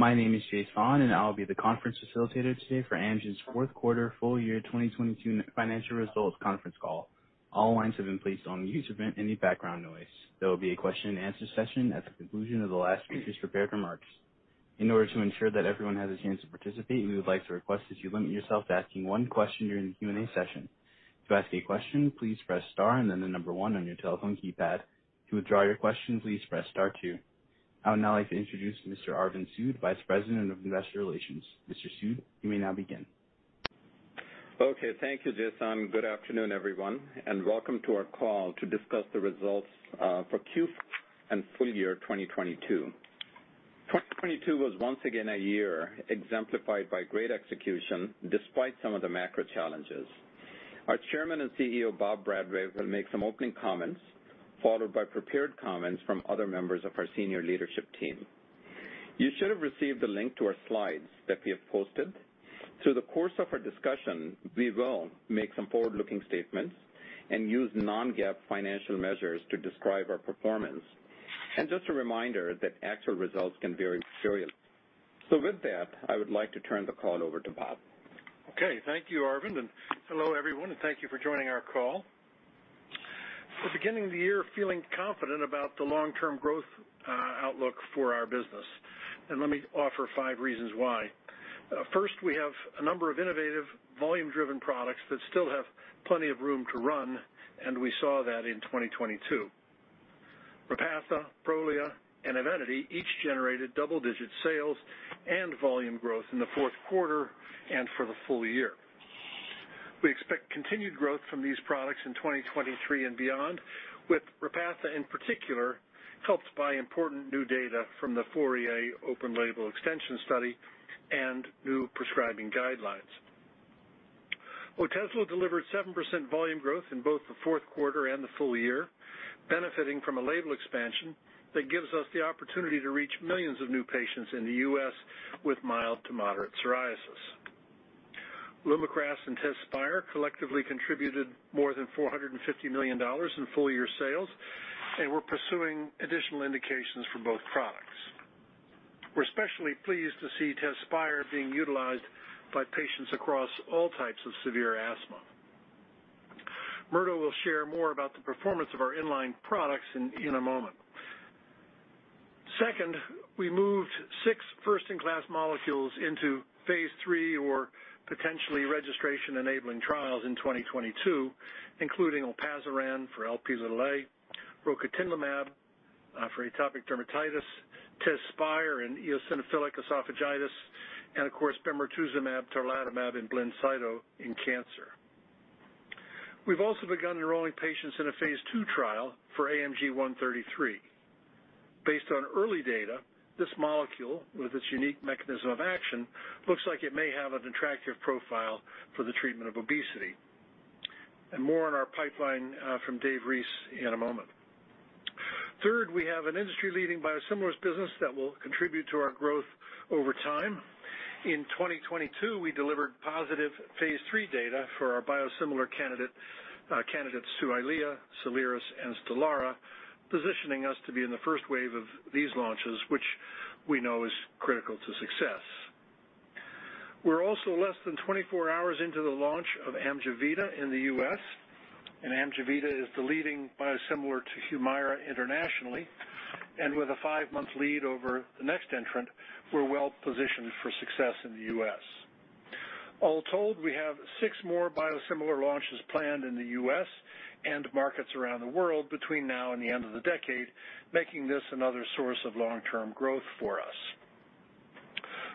My name is Jason, I will be the conference facilitator today for Amgen's fourth quarter full year 2022 financial results conference call. All lines have been placed on mute to prevent any background noise. There will be a question-and-answer session at the conclusion of the last speaker's prepared remarks. In order to ensure that everyone has a chance to participate, we would like to request that you limit yourself to asking one question during the Q&A session. To ask a question, please press star and then the number one on your telephone keypad. To withdraw your question, please press star two. I would now like to introduce Mr. Arvind Sood, Vice President of Investor Relations. Mr. Sood, you may now begin. Okay. Thank you, Jason. Good afternoon, everyone, and welcome to our call to discuss the results 4Q and full year 2022. 2022 was once again a year exemplified by great execution despite some of the macro challenges. Our Chairman and CEO, Bob Bradway, will make some opening comments, followed by prepared comments from other members of our senior leadership team. You should have received a link to our slides that we have posted. Through the course of our discussion, we will make some forward-looking statements and use non-GAAP financial measures to describe our performance. Just a reminder that actual results can vary materially. With that, I would like to turn the call over to Bob. Okay, thank you, Arvind, hello everyone, thank you for joining our call. We're beginning the year feeling confident about the long-term growth outlook for our business, let me offer five reasons why. First, we have a number of innovative volume-driven products that still have plenty of room to run, we saw that in 2022. Repatha, Prolia, and EVENITY each generated double-digit sales and volume growth in the fourth quarter for the full year. We expect continued growth from these products in 2023 and beyond, with Repatha in particular helped by important new data from the FOURIER open label extension study new prescribing guidelines. Otezla delivered 7% volume growth in both the fourth quarter and the full year, benefiting from a label expansion that gives us the opportunity to reach millions of new patients in the U.S. with mild to moderate psoriasis. LUMAKRAS and TEZSPIRE collectively contributed more than $450 million in full year sales. We're pursuing additional indications for both products. We're especially pleased to see TEZSPIRE being utilized by patients across all types of severe asthma. Murdo will share more about the performance of our in-line products in a moment. Second, we moved six first-in-class molecules into phase III or potentially registration-enabling trials in 2022, including Olpasiran for Lp(a), rocatinlimab for atopic dermatitis, TEZSPIRE in eosinophilic esophagitis, and of course bemarituzumab, tarlatamab and BLINCYTO in cancer. We've also begun enrolling patients in a phase II trial for AMG 133. Based on early data, this molecule, with its unique mechanism of action, looks like it may have an attractive profile for the treatment of obesity. More on our pipeline from Dave Reese in a moment. Third, we have an industry-leading biosimilars business that will contribute to our growth over time. In 2022, we delivered positive phase III data for our biosimilar candidates to EYLEA, SOLIRIS and STELARA, positioning us to be in the first wave of these launches, which we know is critical to success. We're also less than 24 hours into the launch of AMJEVITA in the U.S., and AMJEVITA is the leading biosimilar to HUMIRA internationally, and with a five-month lead over the next entrant, we're well positioned for success in the U.S. All told, we have six more biosimilar launches planned in the U.S. and markets around the world between now and the end of the decade, making this another source of long-term growth for us.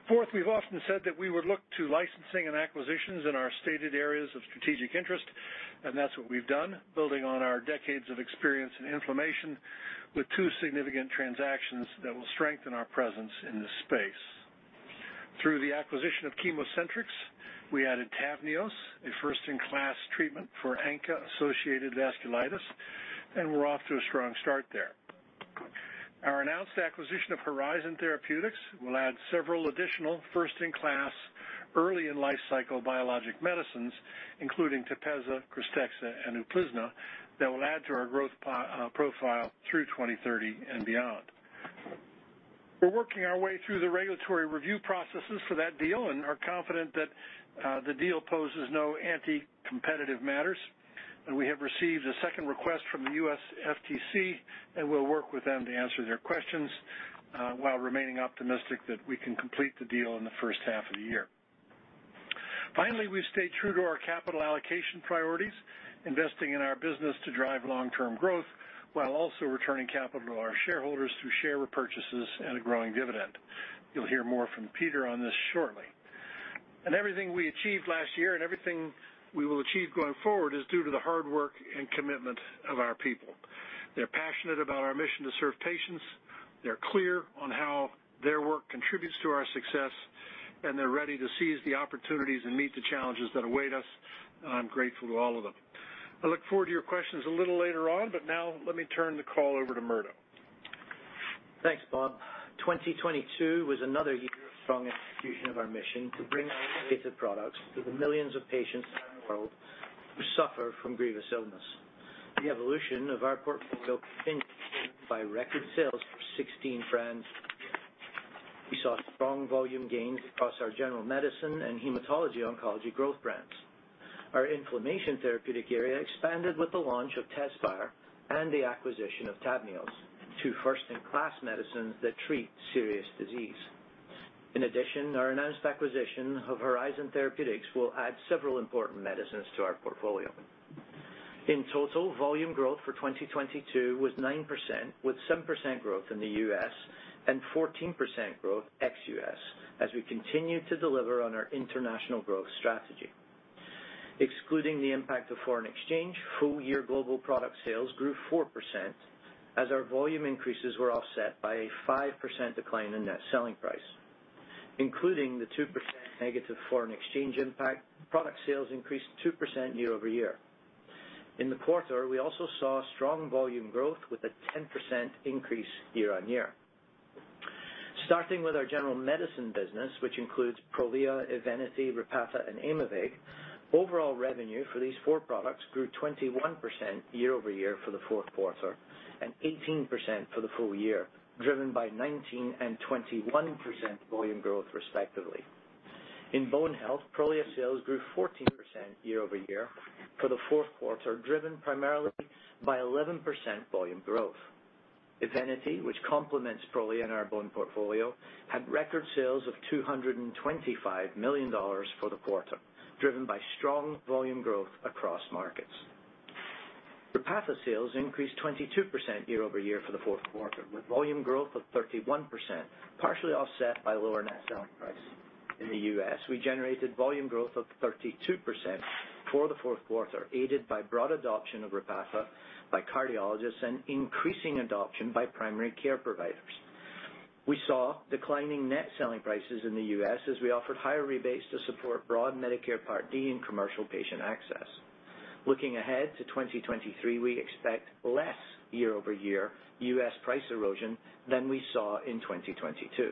Fourth, we've often said that we would look to licensing and acquisitions in our stated areas of strategic interest, and that's what we've done, building on our decades of experience in inflammation with two significant transactions that will strengthen our presence in this space. Through the acquisition of ChemoCentryx, we added TAVNEOS, a first-in-class treatment for ANCA-associated vasculitis, and we're off to a strong start there. Our announced acquisition of Horizon Therapeutics will add several additional first-in-class early in life cycle biologic medicines, including TEPEZZA, KRYSTEXXA and UPLIZNA that will add to our growth profile through 2030 and beyond. We're working our way through the regulatory review processes for that deal and are confident that the deal poses no anti-competitive matters, and we have received a second request from the U.S. FTC, and we'll work with them to answer their questions while remaining optimistic that we can complete the deal in the first half of the year. Finally, we've stayed true to our capital allocation priorities, investing in our business to drive long-term growth while also returning capital to our shareholders through share repurchases and a growing dividend. You'll hear more from Peter on this shortly. Everything we achieved last year and everything we will achieve going forward is due to the hard work and commitment of our people. They're passionate about our mission to serve patients, they're clear on how their work contributes to our success. They're ready to seize the opportunities and meet the challenges that await us. I'm grateful to all of them. I look forward to your questions a little later on. Now let me turn the call over to Murdo. Thanks, Bob. 2022 was another year of strong execution of our mission to bring our innovative products to the millions of patients around the world who suffer from grievous illness. The evolution of our portfolio continued, driven by record sales for 16 brands. We saw strong volume gains across our general medicine and hematology-oncology growth brands. Our inflammation therapeutic area expanded with the launch of TEZSPIRE and the acquisition of TAVNEOS, two first-in-class medicines that treat serious disease. In addition, our announced acquisition of Horizon Therapeutics will add several important medicines to our portfolio. In total, volume growth for 2022 was 9%, with 7% growth in the U.S. and 14% growth ex-U.S. as we continue to deliver on our international growth strategy. Excluding the impact of foreign exchange, full year global product sales grew 4% as our volume increases were offset by a 5% decline in net selling price. Including the 2% negative foreign exchange impact, product sales increased 2% year-over-year. In the quarter, we also saw strong volume growth with a 10% increase year-over-year. Starting with our general medicine business, which includes Prolia, EVENITY, Repatha, and Aimovig, overall revenue for these four products grew 21% year-over-year for the fourth quarter and 18% for the full year, driven by 19% and 21% volume growth respectively. In bone health, Prolia sales grew 14% year-over-year for the fourth quarter, driven primarily by 11% volume growth. EVENITY, which complements Prolia in our bone portfolio, had record sales of $225 million for the quarter, driven by strong volume growth across markets. Repatha sales increased 22% year-over-year for the fourth quarter, with volume growth of 31%, partially offset by lower net selling price. In the U.S., we generated volume growth of 32% for the fourth quarter, aided by broad adoption of Repatha by cardiologists and increasing adoption by primary care providers. We saw declining net selling prices in the U.S. as we offered higher rebates to support broad Medicare Part D and commercial patient access. Looking ahead to 2023, we expect less year-over-year U.S. price erosion than we saw in 2022.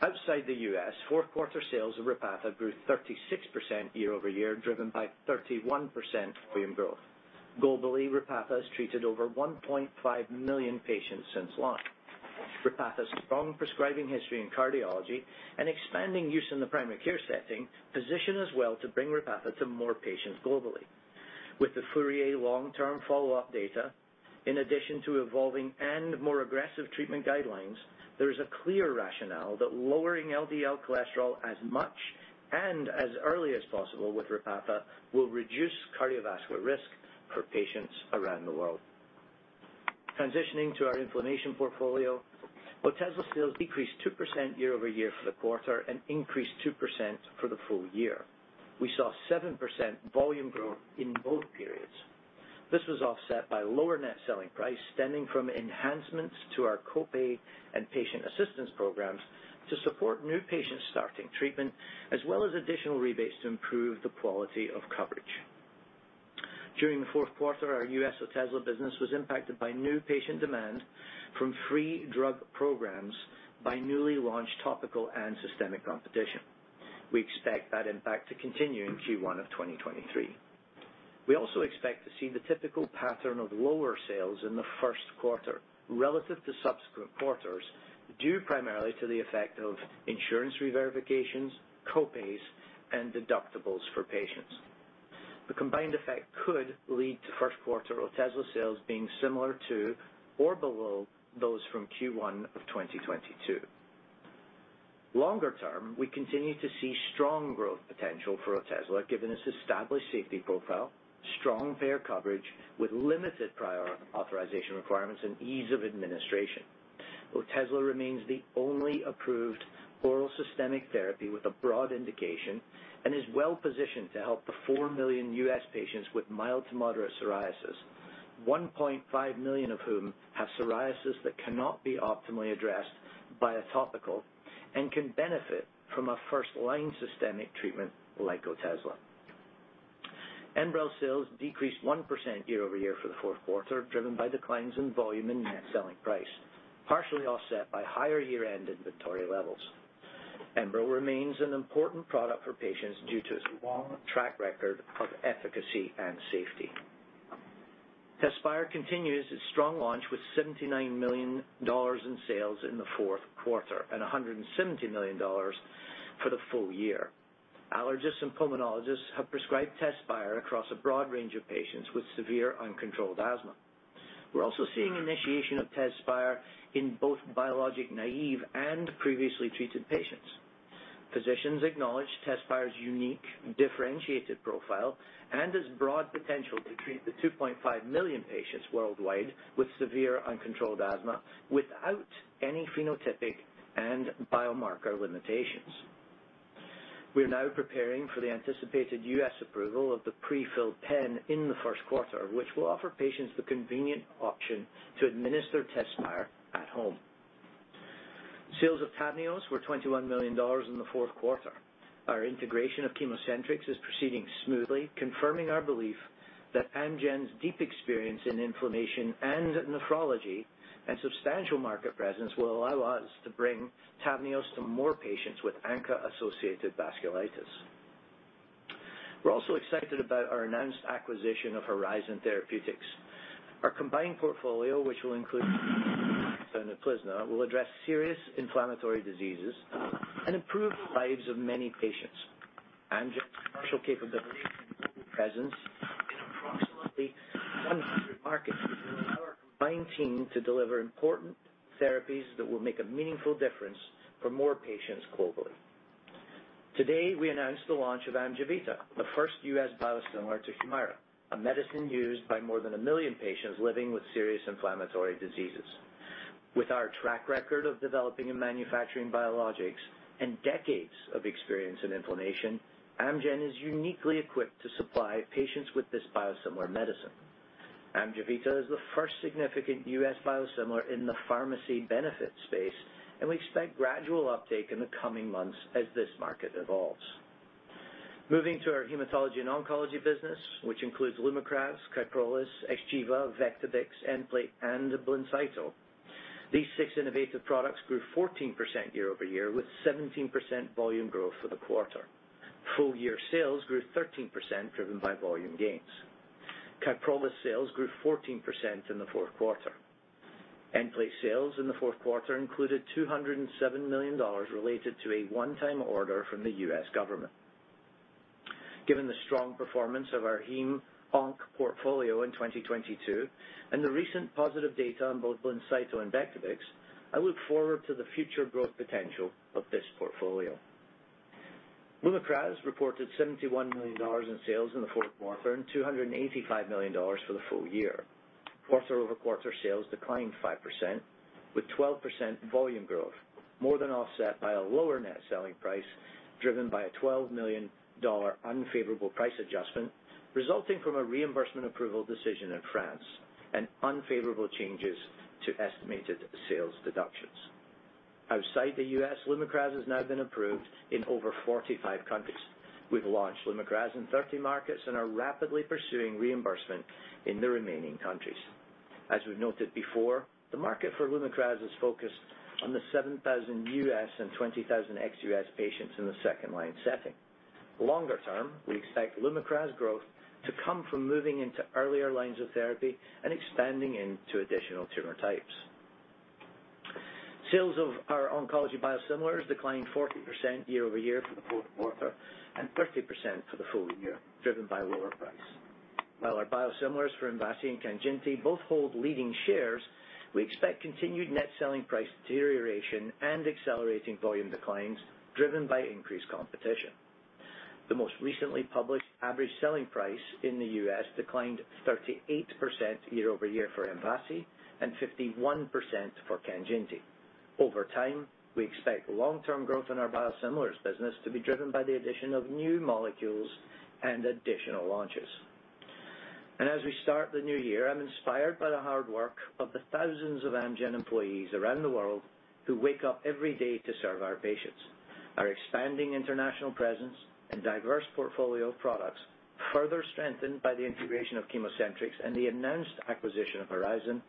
Outside the U.S., fourth quarter sales of Repatha grew 36% year-over-year, driven by 31% volume growth. Globally, Repatha has treated over 1.5 million patients since launch. Repatha's strong prescribing history in cardiology and expanding use in the primary care setting position us well to bring Repatha to more patients globally. With the FOURIER long-term follow-up data, in addition to evolving and more aggressive treatment guidelines, there is a clear rationale that lowering LDL cholesterol as much and as early as possible with Repatha will reduce cardiovascular risk for patients around the world. Transitioning to our inflammation portfolio, Otezla sales decreased 2% year-over-year for the quarter and increased 2% for the full year. We saw 7% volume growth in both periods. This was offset by lower net selling price stemming from enhancements to our co-pay and patient assistance programs to support new patients starting treatment, as well as additional rebates to improve the quality of coverage. During the fourth quarter, our U.S. Otezla business was impacted by new patient demand from free drug programs by newly launched topical and systemic competition. We expect that impact to continue in Q1 of 2023. We also expect to see the typical pattern of lower sales in the first quarter relative to subsequent quarters, due primarily to the effect of insurance reverifications, co-pays, and deductibles for patients. The combined effect could lead to first quarter Otezla sales being similar to or below those from Q1 of 2022. Longer term, we continue to see strong growth potential for Otezla, given its established safety profile, strong payer coverage with limited prior authorization requirements, and ease of administration. Otezla remains the only approved oral systemic therapy with a broad indication and is well positioned to help the 4 million U.S. patients with mild to moderate psoriasis, 1.5 million of whom have psoriasis that cannot be optimally addressed by a topical and can benefit from a first-line systemic treatment like Otezla. ENBREL sales decreased 1% year-over-year for the fourth quarter, driven by declines in volume and net selling price, partially offset by higher year-end inventory levels. ENBREL remains an important product for patients due to its long track record of efficacy and safety. TEZSPIRE continues its strong launch with $79 million in sales in the fourth quarter and $170 million for the full year. Allergists and pulmonologists have prescribed TEZSPIRE across a broad range of patients with severe uncontrolled asthma. We're also seeing initiation of TEZSPIRE in both biologic-naive and previously treated patients. Physicians acknowledge TEZSPIRE's unique differentiated profile and its broad potential to treat the 2.5 million patients worldwide with severe uncontrolled asthma without any phenotypic and biomarker limitations. We are now preparing for the anticipated U.S. approval of the pre-filled pen in the first quarter, which will offer patients the convenient option to administer TEZSPIRE at home. Sales of TAVNEOS were $21 million in the fourth quarter. Our integration of ChemoCentryx is proceeding smoothly, confirming our belief that Amgen's deep experience in inflammation and nephrology and substantial market presence will allow us to bring TAVNEOS to more patients with ANCA-associated vasculitis. We're also excited about our announced acquisition of Horizon Therapeutics. Our combined portfolio, which will include TEPEZZA, KRYSTEXXA and UPLIZNA will address serious inflammatory diseases and improve the lives of many patients. Amgen's commercial capability and global presence in approximately 100 markets will allow our combined team to deliver important therapies that will make a meaningful difference for more patients globally. Today, we announced the launch of AMJEVITA, the first U.S. biosimilar to HUMIRA, a medicine used by more than 1 million patients living with serious inflammatory diseases. With our track record of developing and manufacturing biologics and decades of experience in inflammation, Amgen is uniquely equipped to supply patients with this biosimilar medicine. AMJEVITA is the first significant U.S. biosimilar in the pharmacy benefit space. We expect gradual uptake in the coming months as this market evolves. Moving to our hematology and oncology business, which includes LUMAKRAS, KYPROLIS, XGEVA, VECTIBIX, Nplate, and BLINCYTO, these six innovative products grew 14% year-over-year, with 17% volume growth for the quarter. Full year sales grew 13% driven by volume gains. KYPROLIS sales grew 14% in the fourth quarter. Nplate sales in the fourth quarter included $207 million related to a one-time order from the U.S. government. Given the strong performance of our hem/onc portfolio in 2022 and the recent positive data on both BLINCYTO and VECTIBIX, I look forward to the future growth potential of this portfolio. LUMAKRAS reported $71 million in sales in the fourth quarter, and $285 million for the full year. Quarter-over-quarter sales declined 5% with 12% volume growth, more than offset by a lower net selling price, driven by a $12 million unfavorable price adjustment resulting from a reimbursement approval decision in France and unfavorable changes to estimated sales deductions. Outside the U.S., LUMAKRAS has now been approved in over 45 countries. We've launched LUMAKRAS in 30 markets and are rapidly pursuing reimbursement in the remaining countries. As we've noted before, the market for LUMAKRAS is focused on the 7,000 U.S. and 20,000 ex-U.S. patients in the second-line setting. Longer term, we expect LUMAKRAS growth to come from moving into earlier lines of therapy and expanding into additional tumor types. Sales of our oncology biosimilars declined 40% year-over-year for the fourth quarter and 30% for the full year, driven by lower price. While our biosimilars for MVASI and KANJINTI both hold leading shares, we expect continued net selling price deterioration and accelerating volume declines driven by increased competition. The most recently published average selling price in the U.S. declined 38% year-over-year for MVASI and 51% for KANJINTI. Over time, we expect long-term growth in our biosimilars business to be driven by the addition of new molecules and additional launches. As we start the new year, I'm inspired by the hard work of the thousands of Amgen employees around the world who wake up every day to serve our patients. Our expanding international presence and diverse portfolio of products, further strengthened by the integration of ChemoCentryx and the announced acquisition of Horizon,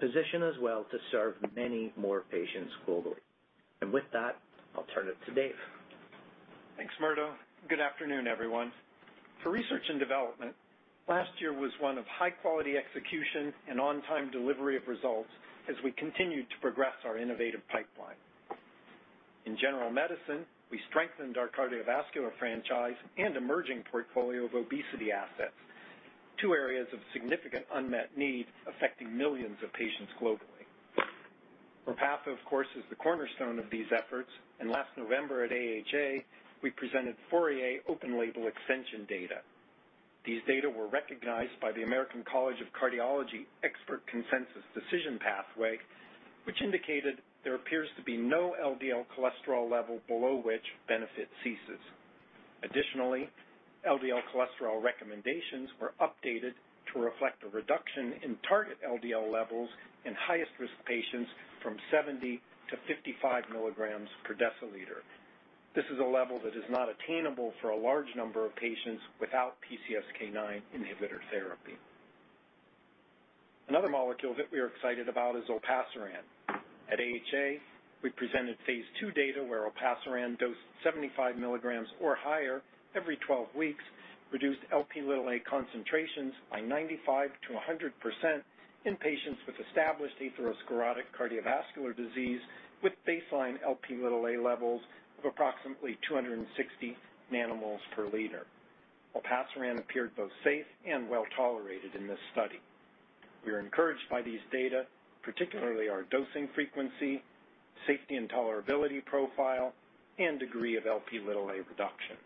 position us well to serve many more patients globally. With that, I'll turn it to Dave. Thanks, Murdo. Good afternoon, everyone. For research and development, last year was one of high-quality execution and on-time delivery of results as we continued to progress our innovative pipeline. In general medicine, we strengthened our cardiovascular franchise and emerging portfolio of obesity assets, two areas of significant unmet need affecting millions of patients globally. Repatha, of course, is the cornerstone of these efforts and last November at AHA, we presented FOURIER open-label extension data. These data were recognized by the American College of Cardiology Expert Consensus Decision Pathway, which indicated there appears to be no LDL cholesterol level below which benefit ceases. Additionally, LDL cholesterol recommendations were updated to reflect a reduction in target LDL levels in highest risk patients from 70 to 55 mg/dL. This is a level that is not attainable for a large number of patients without PCSK9 inhibitor therapy. Another molecule that we are excited about is olpasiran. At AHA, we presented phase II data where olpasiran dosed 75 mg or higher every 12 weeks reduced Lp(a) concentrations by 95% to 100% in patients with established atherosclerotic cardiovascular disease with baseline Lp(a) levels of approximately 260 nanomoles per liter. Olpasiran appeared both safe and well-tolerated in this study. We are encouraged by these data, particularly our dosing frequency, safety and tolerability profile, and degree of Lp(a) reduction.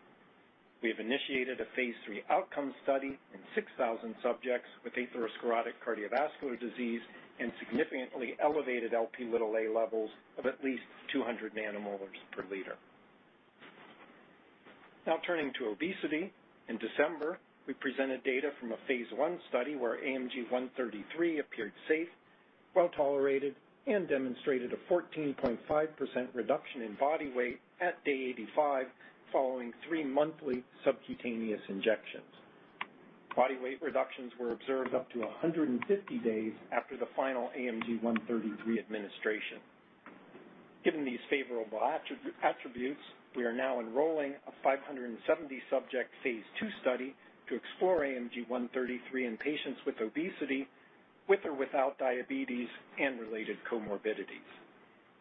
We have initiated a phase III outcome study in 6,000 subjects with atherosclerotic cardiovascular disease and significantly elevated Lp(a) levels of at least 200 nanomoles per liter. Turning to obesity. In December, we presented data from a phase I study where AMG 133 appeared safe, well-tolerated, and demonstrated a 14.5% reduction in body weight at day 85 following three monthly subcutaneous injections. Body weight reductions were observed up to 150 days after the final AMG 133 administration. Given these favorable attributes, we are now enrolling a 570 subject phase II study to explore AMG 133 in patients with obesity with or without diabetes and related comorbidities.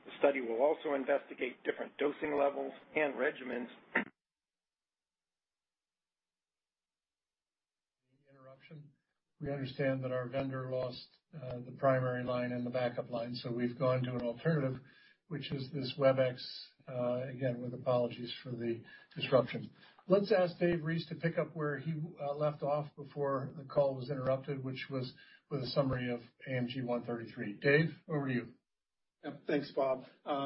The study will also investigate different dosing levels and regimens. ...interruption. We understand that our vendor lost the primary line and the backup line. We've gone to an alternative, which is this WebEx, again, with apologies for the disruption. Let's ask Dave Reese to pick up where he left off before the call was interrupted, which was with a summary of AMG 133. Dave, over to you. Thanks, Bob.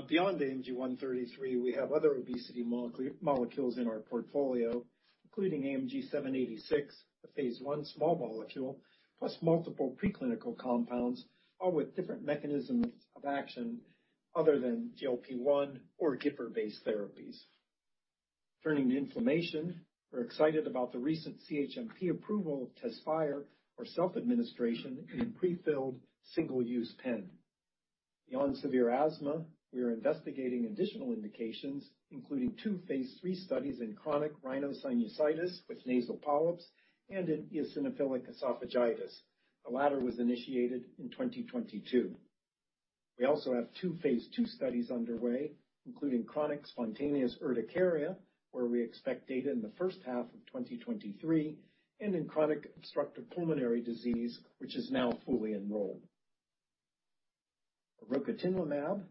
Beyond AMG-133, we have other obesity molecules in our portfolio, including AMG 786, a phase I small molecule, plus multiple preclinical compounds, all with different mechanisms of action other than GLP-1 or GIPR-based therapies. Turning to inflammation, we're excited about the recent CHMP approval of TEZSPIRE for self-administration in a prefilled single-use pen. Beyond severe asthma, we are investigating additional indications, including two phase III studies in chronic rhinosinusitis with nasal polyps and in eosinophilic esophagitis. The latter was initiated in 2022. We also have two phase II studies underway, including chronic spontaneous urticaria, where we expect data in the first half of 2023, and in chronic obstructive pulmonary disease, which is now fully enrolled. For rocatinlimab, a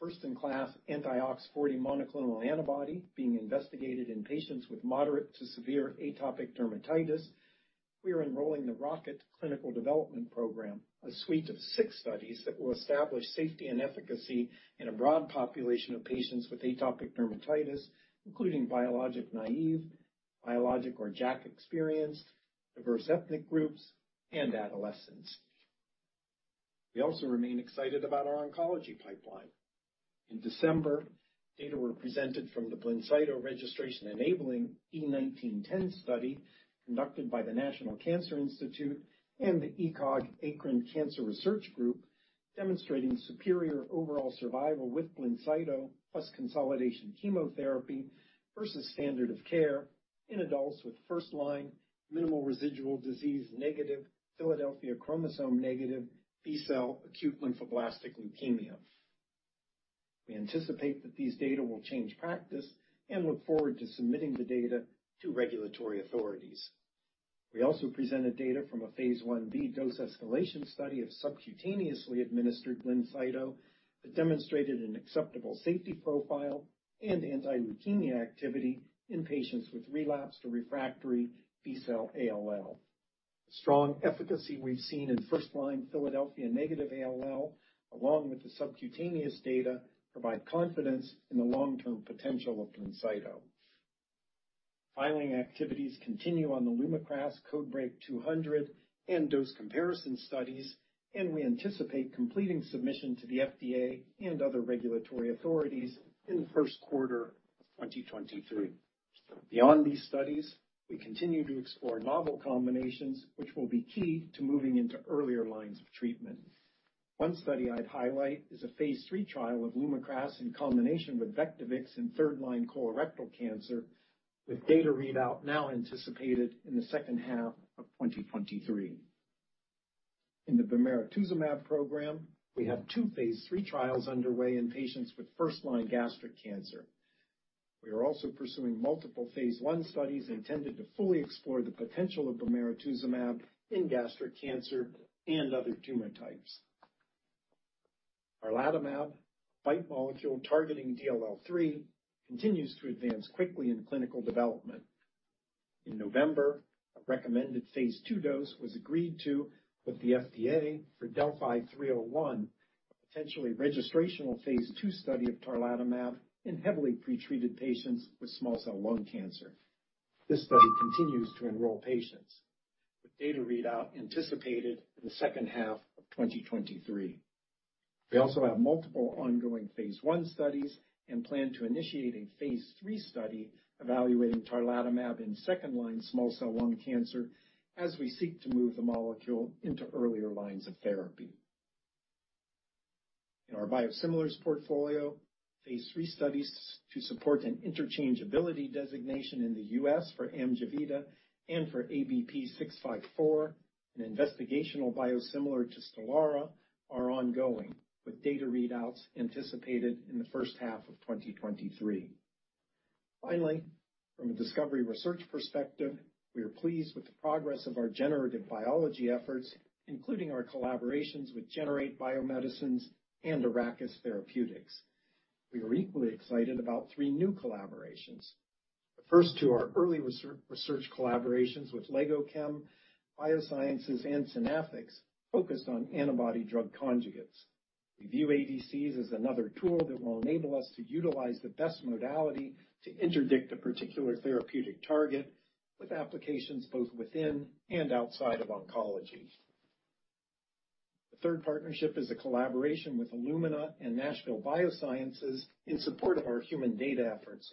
first-in-class anti-OX40 monoclonal antibody being investigated in patients with moderate to severe atopic dermatitis. We are enrolling the ROCKET Clinical Development Program, a suite of six studies that will establish safety and efficacy in a broad population of patients with atopic dermatitis, including biologic naive, biologic or JAK-experienced, diverse ethnic groups, and adolescents. We also remain excited about our oncology pipeline. In December, data were presented from the BLINCYTO registration enabling E1910 study conducted by the National Cancer Institute and the ECOG-ACRIN Cancer Research Group, demonstrating superior overall survival with BLINCYTO plus consolidation chemotherapy versus standard of care in adults with first-line minimal residual disease negative, Philadelphia chromosome-negative B-cell acute lymphoblastic leukemia. We anticipate that these data will change practice and look forward to submitting the data to regulatory authorities. We also presented data from a phase I-B dose escalation study of subcutaneously administered BLINCYTO that demonstrated an acceptable safety profile and anti-leukemia activity in patients with relapsed or refractory B-cell ALL. The strong efficacy we've seen in first-line Philadelphia negative ALL, along with the subcutaneous data, provide confidence in the long-term potential of BLINCYTO. Filing activities continue on the LUMAKRAS CodeBreaK 200 and dose comparison studies, we anticipate completing submission to the FDA and other regulatory authorities in the first quarter of 2023. Beyond these studies, we continue to explore novel combinations, which will be key to moving into earlier lines of treatment. One study I'd highlight is a phase III trial of LUMAKRAS in combination with VECTIBIX in third line colorectal cancer, with data readout now anticipated in the second half of 2023. In the bemarituzumab program, we have two phase III trials underway in patients with first-line gastric cancer. We are also pursuing multiple phase I studies intended to fully explore the potential of bemarituzumab in gastric cancer and other tumor types. Tarlatamab, a BiTE molecule targeting DLL3, continues to advance quickly in clinical development. In November, a recommended phase II dose was agreed to with the FDA for DeLLphi-301, a potentially registrational phase II study of tarlatamab in heavily pretreated patients with small cell lung cancer. This study continues to enroll patients, with data readout anticipated in the second half of 2023. We also have multiple ongoing phase I studies and plan to initiate a phase III study evaluating tarlatamab in second line small cell lung cancer as we seek to move the molecule into earlier lines of therapy. In our biosimilars portfolio, phase III studies to support an interchangeability designation in the U.S. for AMJEVITA and for ABP 654, an investigational biosimilar to Stelara, are ongoing, with data readouts anticipated in the first half of 2023. Finally, from a discovery research perspective, we are pleased with the progress of our generative biology efforts, including our collaborations with Generate Biomedicines and Arrakis Therapeutics. We are equally excited about three new collaborations. The first two are early research collaborations with LegoChem Biosciences and Synaffix focused on antibody-drug conjugates. We view ADCs as another tool that will enable us to utilize the best modality to interdict a particular therapeutic target with applications both within and outside of oncology. The third partnership is a collaboration with Illumina and Nashville Biosciences in support of our human data efforts.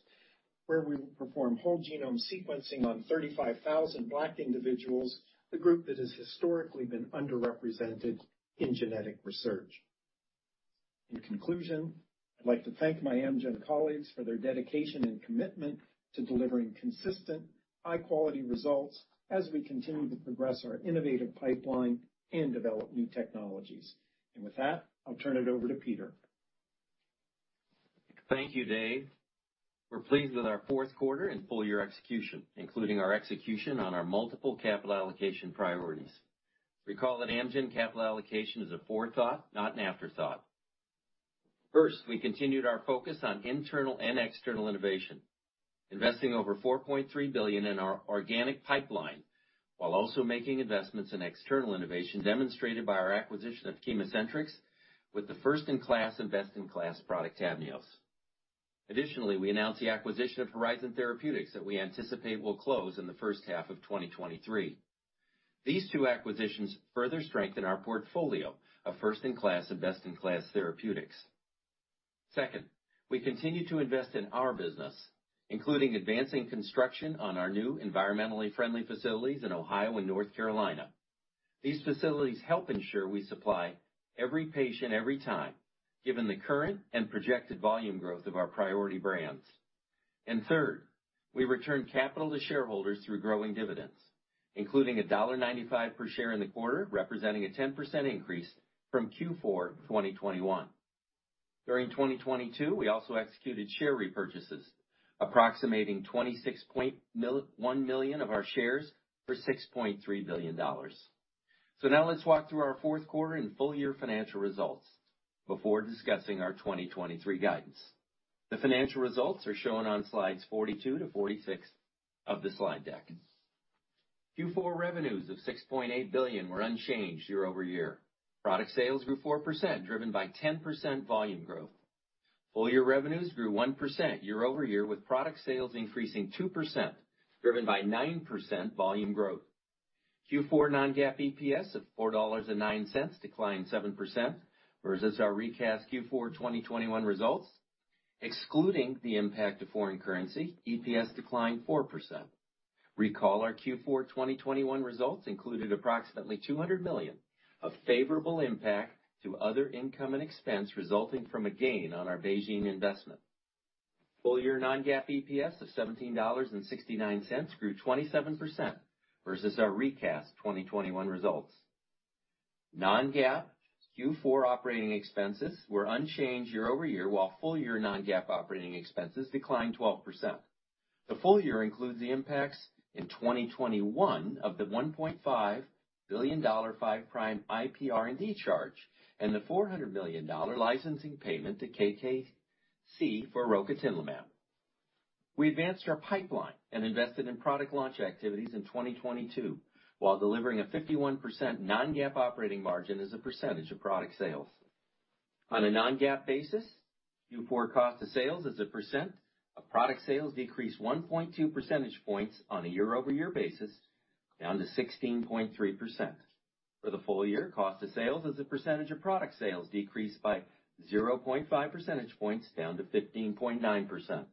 Where we will perform whole genome sequencing on 35,000 black individuals, the group that has historically been underrepresented in genetic research. In conclusion, I'd like to thank my Amgen colleagues for their dedication and commitment to delivering consistent high-quality results as we continue to progress our innovative pipeline and develop new technologies. With that, I'll turn it over to Peter. Thank you, Dave. We're pleased with our fourth quarter and full-year execution, including our execution on our multiple capital allocation priorities. Recall that Amgen capital allocation is a forethought, not an afterthought. First, we continued our focus on internal and external innovation, investing over $4.3 billion in our organic pipeline, while also making investments in external innovation demonstrated by our acquisition of ChemoCentryx with the first-in-class and best-in-class product, TAVNEOS. We announced the acquisition of Horizon Therapeutics that we anticipate will close in the first half of 2023. These two acquisitions further strengthen our portfolio of first-in-class and best-in-class therapeutics. Second, we continue to invest in our business, including advancing construction on our new environmentally friendly facilities in Ohio and North Carolina. These facilities help ensure we supply every patient every time, given the current and projected volume growth of our priority brands. Third, we return capital to shareholders through growing dividends, including $1.95 per share in the quarter, representing a 10% increase from Q4 2021. During 2022, we also executed share repurchases approximating 26.1 million of our shares for $6.3 billion. Now let's walk through our fourth quarter and full-year financial results before discussing our 2023 guidance. The financial results are shown on slides 42 to 46 of the slide deck. Q4 revenues of $6.8 billion were unchanged year-over-year. Product sales grew 4%, driven by 10% volume growth. Full-year revenues grew 1% year-over-year, with product sales increasing 2% driven by 9% volume growth. Q4 non-GAAP EPS of $4.09 declined 7% versus our recast Q4 2021 results. Excluding the impact of foreign currency, EPS declined 4%. Recall our Q4 2021 results included approximately $200 million of favorable impact to other income and expense resulting from a gain on our BeiGene investment. Full-year non-GAAP EPS of $17.69 grew 27% versus our recast 2021 results. Non-GAAP Q4 operating expenses were unchanged year-over-year, while full-year non-GAAP operating expenses declined 12%. The full year includes the impacts in 2021 of the $1.5 billion Five Prime IP R&D charge and the $400 million licensing payment to KKC for rocatinlimab. We advanced our pipeline and invested in product launch activities in 2022, while delivering a 51% non-GAAP operating margin as a percentage of product sales. On a non-GAAP basis, Q4 cost of sales as a % of product sales decreased 1.2 percentage points on a year-over-year basis down to 16.3%. For the full year, cost of sales as a % of product sales decreased by 0.5 percentage points down to 15.9%.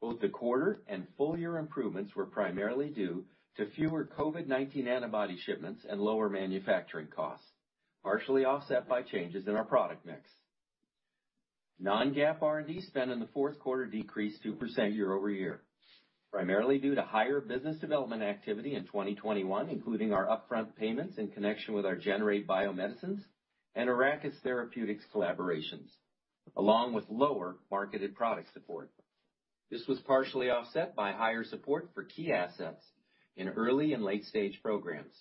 Both the quarter and full-year improvements were primarily due to fewer COVID-19 antibody shipments and lower manufacturing costs, partially offset by changes in our product mix. Non-GAAP R&D spend in the fourth quarter decreased 2% year-over-year, primarily due to higher business development activity in 2021, including our upfront payments in connection with our Generate Biomedicines and Arrakis Therapeutics collaborations, along with lower marketed product support. This was partially offset by higher support for key assets in early and late-stage programs.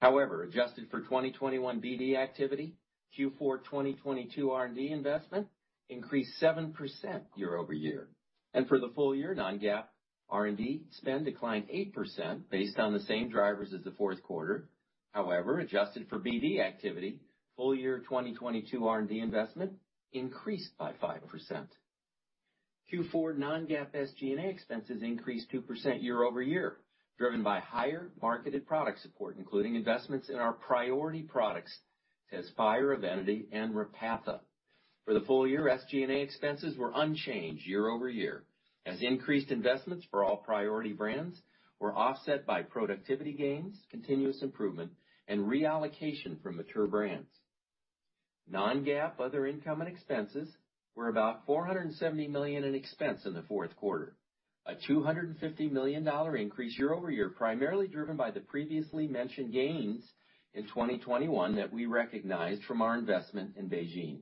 However, adjusted for 2021 BD activity, Q4 2022 R&D investment increased 7% year-over-year. For the full year, non-GAAP R&D spend declined 8% based on the same drivers as the fourth quarter. However, adjusted for BD activity, full-year 2022 R&D investment increased by 5%. Q4 non-GAAP SG&A expenses increased 2% year-over-year, driven by higher marketed product support, including investments in our priority products, TEZSPIRE, EVENITY, and Repatha. For the full year, SG&A expenses were unchanged year-over-year as increased investments for all priority brands were offset by productivity gains, continuous improvement, and reallocation from mature brands. Non-GAAP other income and expenses were about $470 million in expense in the fourth quarter, a $250 million increase year-over-year, primarily driven by the previously mentioned gains in 2021 that we recognized from our investment in BeiGene.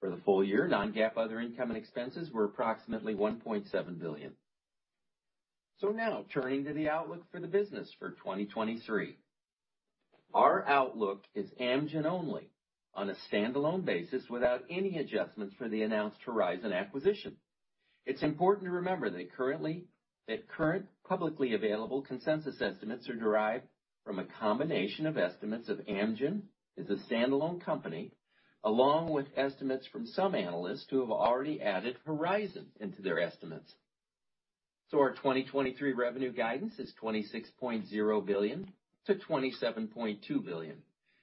For the full year, non-GAAP other income and expenses were approximately $1.7 billion. Now turning to the outlook for the business for 2023. Our outlook is Amgen only on a standalone basis without any adjustments for the announced Horizon acquisition. It's important to remember that current publicly available consensus estimates are derived from a combination of estimates of Amgen as a standalone company, along with estimates from some analysts who have already added Horizon into their estimates. Our 2023 revenue guidance is $26.0 billion-$27.2 billion,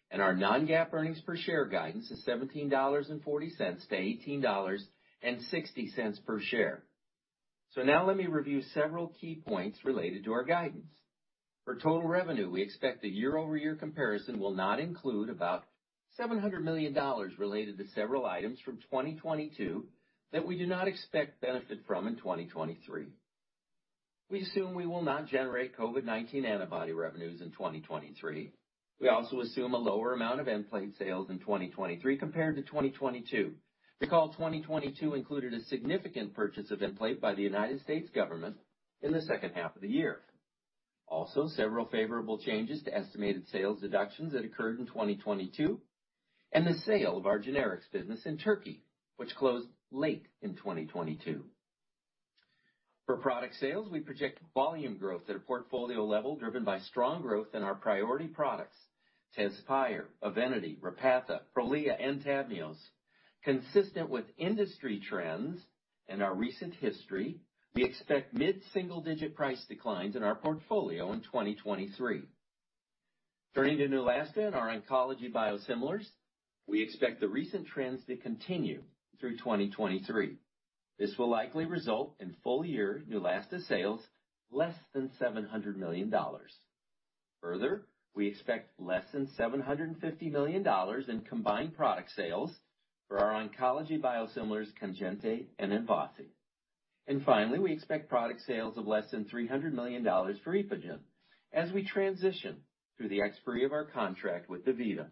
and our non-GAAP earnings per share guidance is $17.40-$18.60 per share. Now let me review several key points related to our guidance. For total revenue, we expect the year-over-year comparison will not include about $700 million related to several items from 2022 that we do not expect benefit from in 2023. We assume we will not generate COVID-19 antibody revenues in 2023. We also assume a lower amount of Nplate sales in 2023 compared to 2022. Recall 2022 included a significant purchase of Nplate by the United States government in the second half of the year. Also, several favorable changes to estimated sales deductions that occurred in 2022, and the sale of our generics business in Turkey, which closed late in 2022. For product sales, we project volume growth at a portfolio level driven by strong growth in our priority products, TEZSPIRE, EVENITY, Repatha, Prolia, and TAVNEOS. Consistent with industry trends and our recent history, we expect mid-single-digit price declines in our portfolio in 2023. Turning to Neulasta and our oncology biosimilars, we expect the recent trends to continue through 2023. This will likely result in full year Neulasta sales less than $700 million. Further, we expect less than $750 million in combined product sales for our oncology biosimilars, KANJINTI and MVASI. Finally, we expect product sales of less than $300 million for EPOGEN as we transition through the expiry of our contract with DaVita.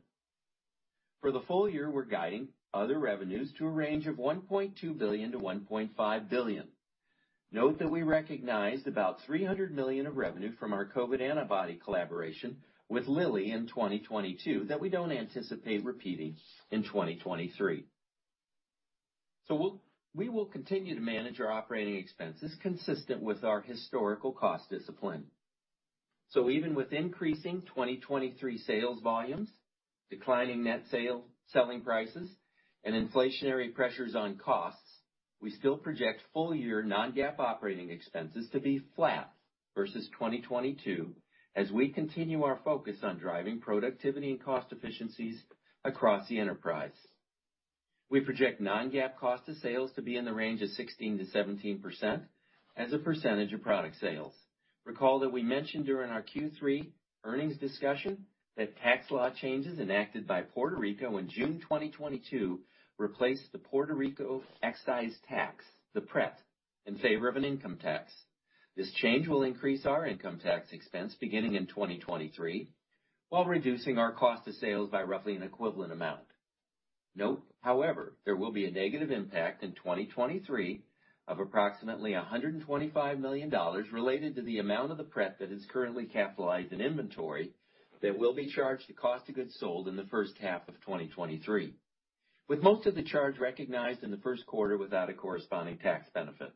For the full year, we're guiding other revenues to a range of $1.2 billion-$1.5 billion. Note that we recognized about $300 million of revenue from our COVID antibody collaboration with Lilly in 2022 that we don't anticipate repeating in 2023. We will continue to manage our operating expenses consistent with our historical cost discipline. Even with increasing 2023 sales volumes, declining net sale, selling prices, and inflationary pressures on costs, we still project full year non-GAAP operating expenses to be flat versus 2022 as we continue our focus on driving productivity and cost efficiencies across the enterprise. We project non-GAAP cost of sales to be in the range of 16%-17% as a percentage of product sales. Recall that we mentioned during our Q3 earnings discussion that tax law changes enacted by Puerto Rico in June 2022 replaced the Puerto Rico Excise Tax, the PRET, in favor of an income tax. This change will increase our income tax expense beginning in 2023, while reducing our cost of sales by roughly an equivalent amount. Note, however, there will be a negative impact in 2023 of approximately $125 million related to the amount of the PRET that is currently capitalized in inventory that will be charged to cost of goods sold in the first half of 2023, with most of the charge recognized in the first quarter without a corresponding tax benefit.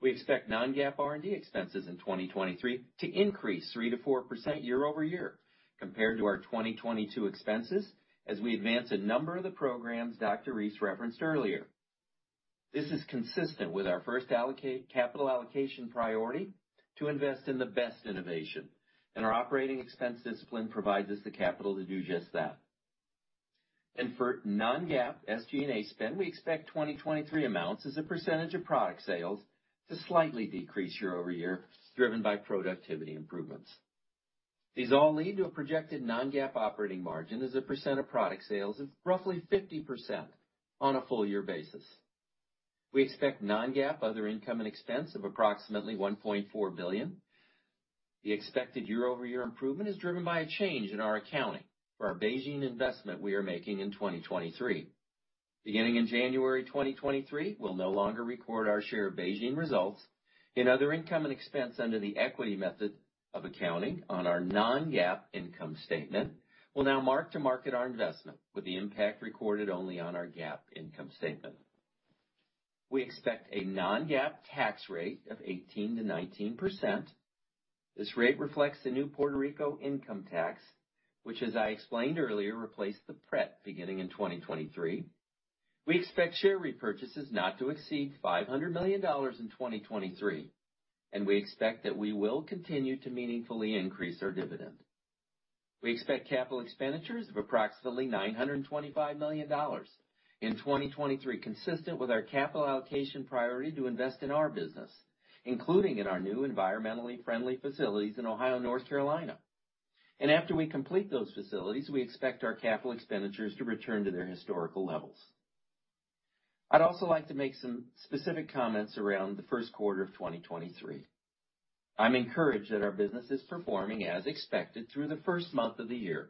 We expect non-GAAP R&D expenses in 2023 to increase 3%-4% year-over-year compared to our 2022 expenses as we advance a number of the programs Dr. Reese referenced earlier. This is consistent with our first capital allocation priority to invest in the best innovation, and our operating expense discipline provides us the capital to do just that. For non-GAAP SG&A spend, we expect 2023 amounts as a % of product sales to slightly decrease year-over-year, driven by productivity improvements. These all lead to a projected non-GAAP operating margin as a % of product sales of roughly 50% on a full year basis. We expect non-GAAP other income and expense of approximately $1.4 billion. The expected year-over-year improvement is driven by a change in our accounting for our BeiGene investment we are making in 2023. Beginning in January 2023, we'll no longer record our share of BeiGene results in other income and expense under the equity method of accounting on our non-GAAP income statement. We'll now mark to market our investment with the impact recorded only on our GAAP income statement. We expect a non-GAAP tax rate of 18%-19%. This rate reflects the new Puerto Rico income tax, which, as I explained earlier, replaced the PRET beginning in 2023. We expect share repurchases not to exceed $500 million in 2023, we expect that we will continue to meaningfully increase our dividend. We expect capital expenditures of approximately $925 million in 2023, consistent with our capital allocation priority to invest in our business, including in our new environmentally friendly facilities in Ohio and North Carolina. After we complete those facilities, we expect our capital expenditures to return to their historical levels. I'd also like to make some specific comments around the first quarter of 2023. I'm encouraged that our business is performing as expected through the first month of the year.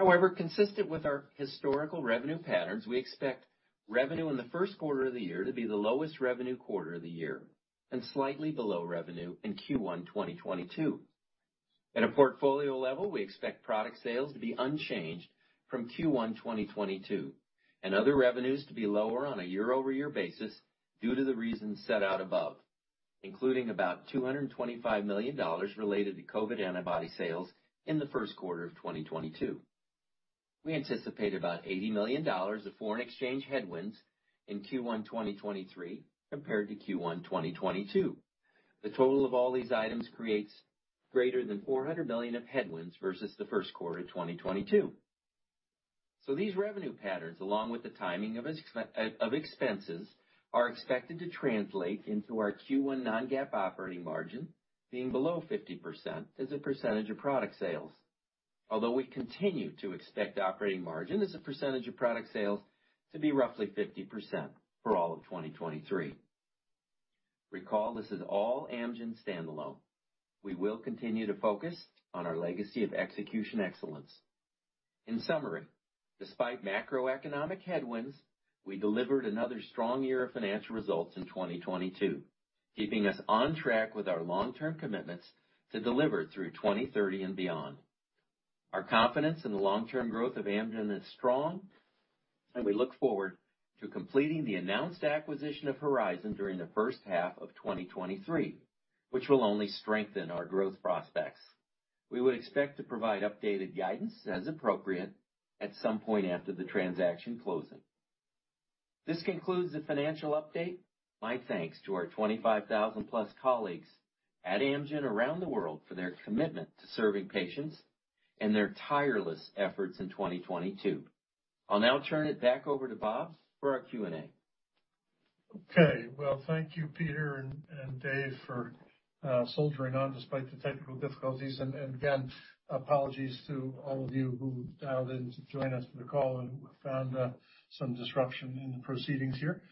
However, consistent with our historical revenue patterns, we expect revenue in the first quarter of the year to be the lowest revenue quarter of the year and slightly below revenue in Q1 2022. At a portfolio level, we expect product sales to be unchanged from Q1 2022 and other revenues to be lower on a year-over-year basis due to the reasons set out above, including about $225 million related to COVID antibody sales in the first quarter of 2022. We anticipate about $80 million of foreign exchange headwinds in Q1 2023 compared to Q1 2022. The total of all these items creates greater than $400 million of headwinds versus the first quarter of 2022. These revenue patterns, along with the timing of expenses, are expected to translate into our Q1 non-GAAP operating margin being below 50% as a percentage of product sales. Although we continue to expect operating margin as a percentage of product sales to be roughly 50% for all of 2023. Recall, this is all Amgen standalone. We will continue to focus on our legacy of execution excellence. In summary, despite macroeconomic headwinds, we delivered another strong year of financial results in 2022, keeping us on track with our long-term commitments to deliver through 2030 and beyond. Our confidence in the long-term growth of Amgen is strong, and we look forward to completing the announced acquisition of Horizon during the first half of 2023, which will only strengthen our growth prospects. We would expect to provide updated guidance as appropriate at some point after the transaction closing. This concludes the financial update. My thanks to our 25,000+ colleagues at Amgen around the world for their commitment to serving patients and their tireless efforts in 2022. I'll now turn it back over to Bob for our Q&A. Okay. Well, thank you, Peter and Dave for soldiering on despite the technical difficulties. Again, apologies to all of you who dialed in to join us for the call and found some disruption in the proceedings here.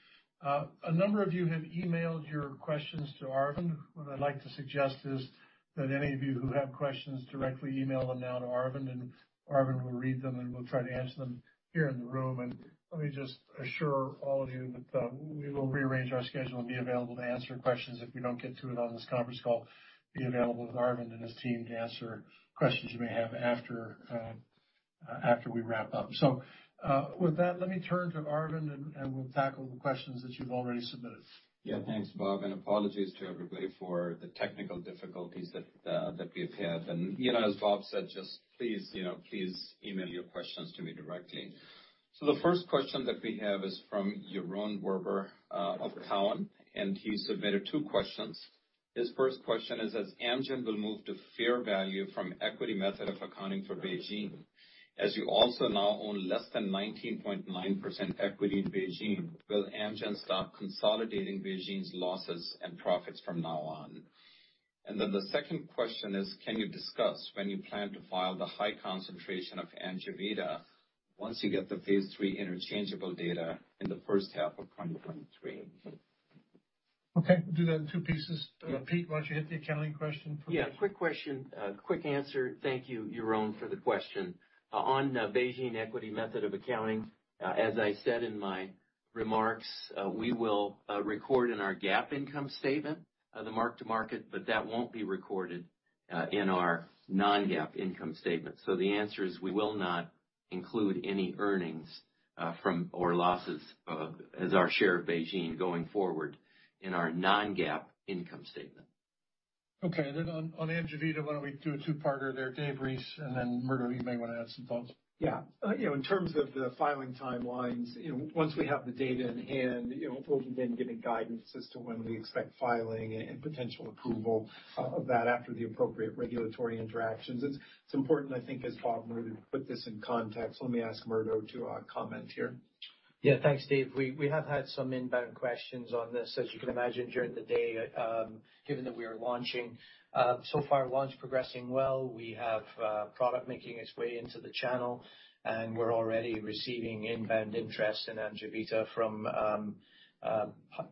A number of you have emailed your questions to Arvind. What I'd like to suggest is that any of you who have questions directly email them now to Arvind, and Arvind will read them, and we'll try to answer them here in the room. Let me just assure all of you that we will rearrange our schedule and be available to answer questions if we don't get to it on this conference call, be available with Arvind and his team to answer questions you may have after we wrap up. With that, let me turn to Arvind and we'll tackle the questions that you've already submitted. Yeah. Thanks, Bob, apologies to everybody for the technical difficulties that we've had. You know, as Bob said, just please, you know, please email your questions to me directly. The first question that we have is from Yaron Werber of Cowen, and he submitted two questions. His first question is, as Amgen will move to fair value from equity method of accounting for BeiGene, as you also now own less than 19.9% equity in BeiGene, will Amgen stop consolidating BeiGene's losses and profits from now on? The second question is, can you discuss when you plan to file the high concentration of AMJEVITA once you get the phase III interchangeable data in the first half of 2023? Okay. We'll do that in two pieces. Pete, why don't you hit the accounting question for me? Yeah. Quick question, quick answer. Thank you, Yaron, for the question. On the BeiGene equity method of accounting, as I said in my remarks, we will record in our GAAP income statement, the mark-to-market, but that won't be recorded in our non-GAAP income statement. The answer is we will not include any earnings from or losses of as our share of BeiGene going forward in our non-GAAP income statement. Okay. On AMJEVITA, why don't we do a two-parter there, Dave Reese, and then Murdo, you may wanna add some thoughts. Yeah. You know, in terms of the filing timelines, you know, once we have the data in hand, you know, we'll begin giving guidance as to when we expect filing and potential approval of that after the appropriate regulatory interactions. It's important, I think, as Bob moved to put this in context, let me ask Murdo to comment here. Thanks, Dave. We have had some inbound questions on this, as you can imagine, during the day, given that we are launching. So far, launch progressing well. We have product making its way into the channel, and we're already receiving inbound interest in AMJEVITA from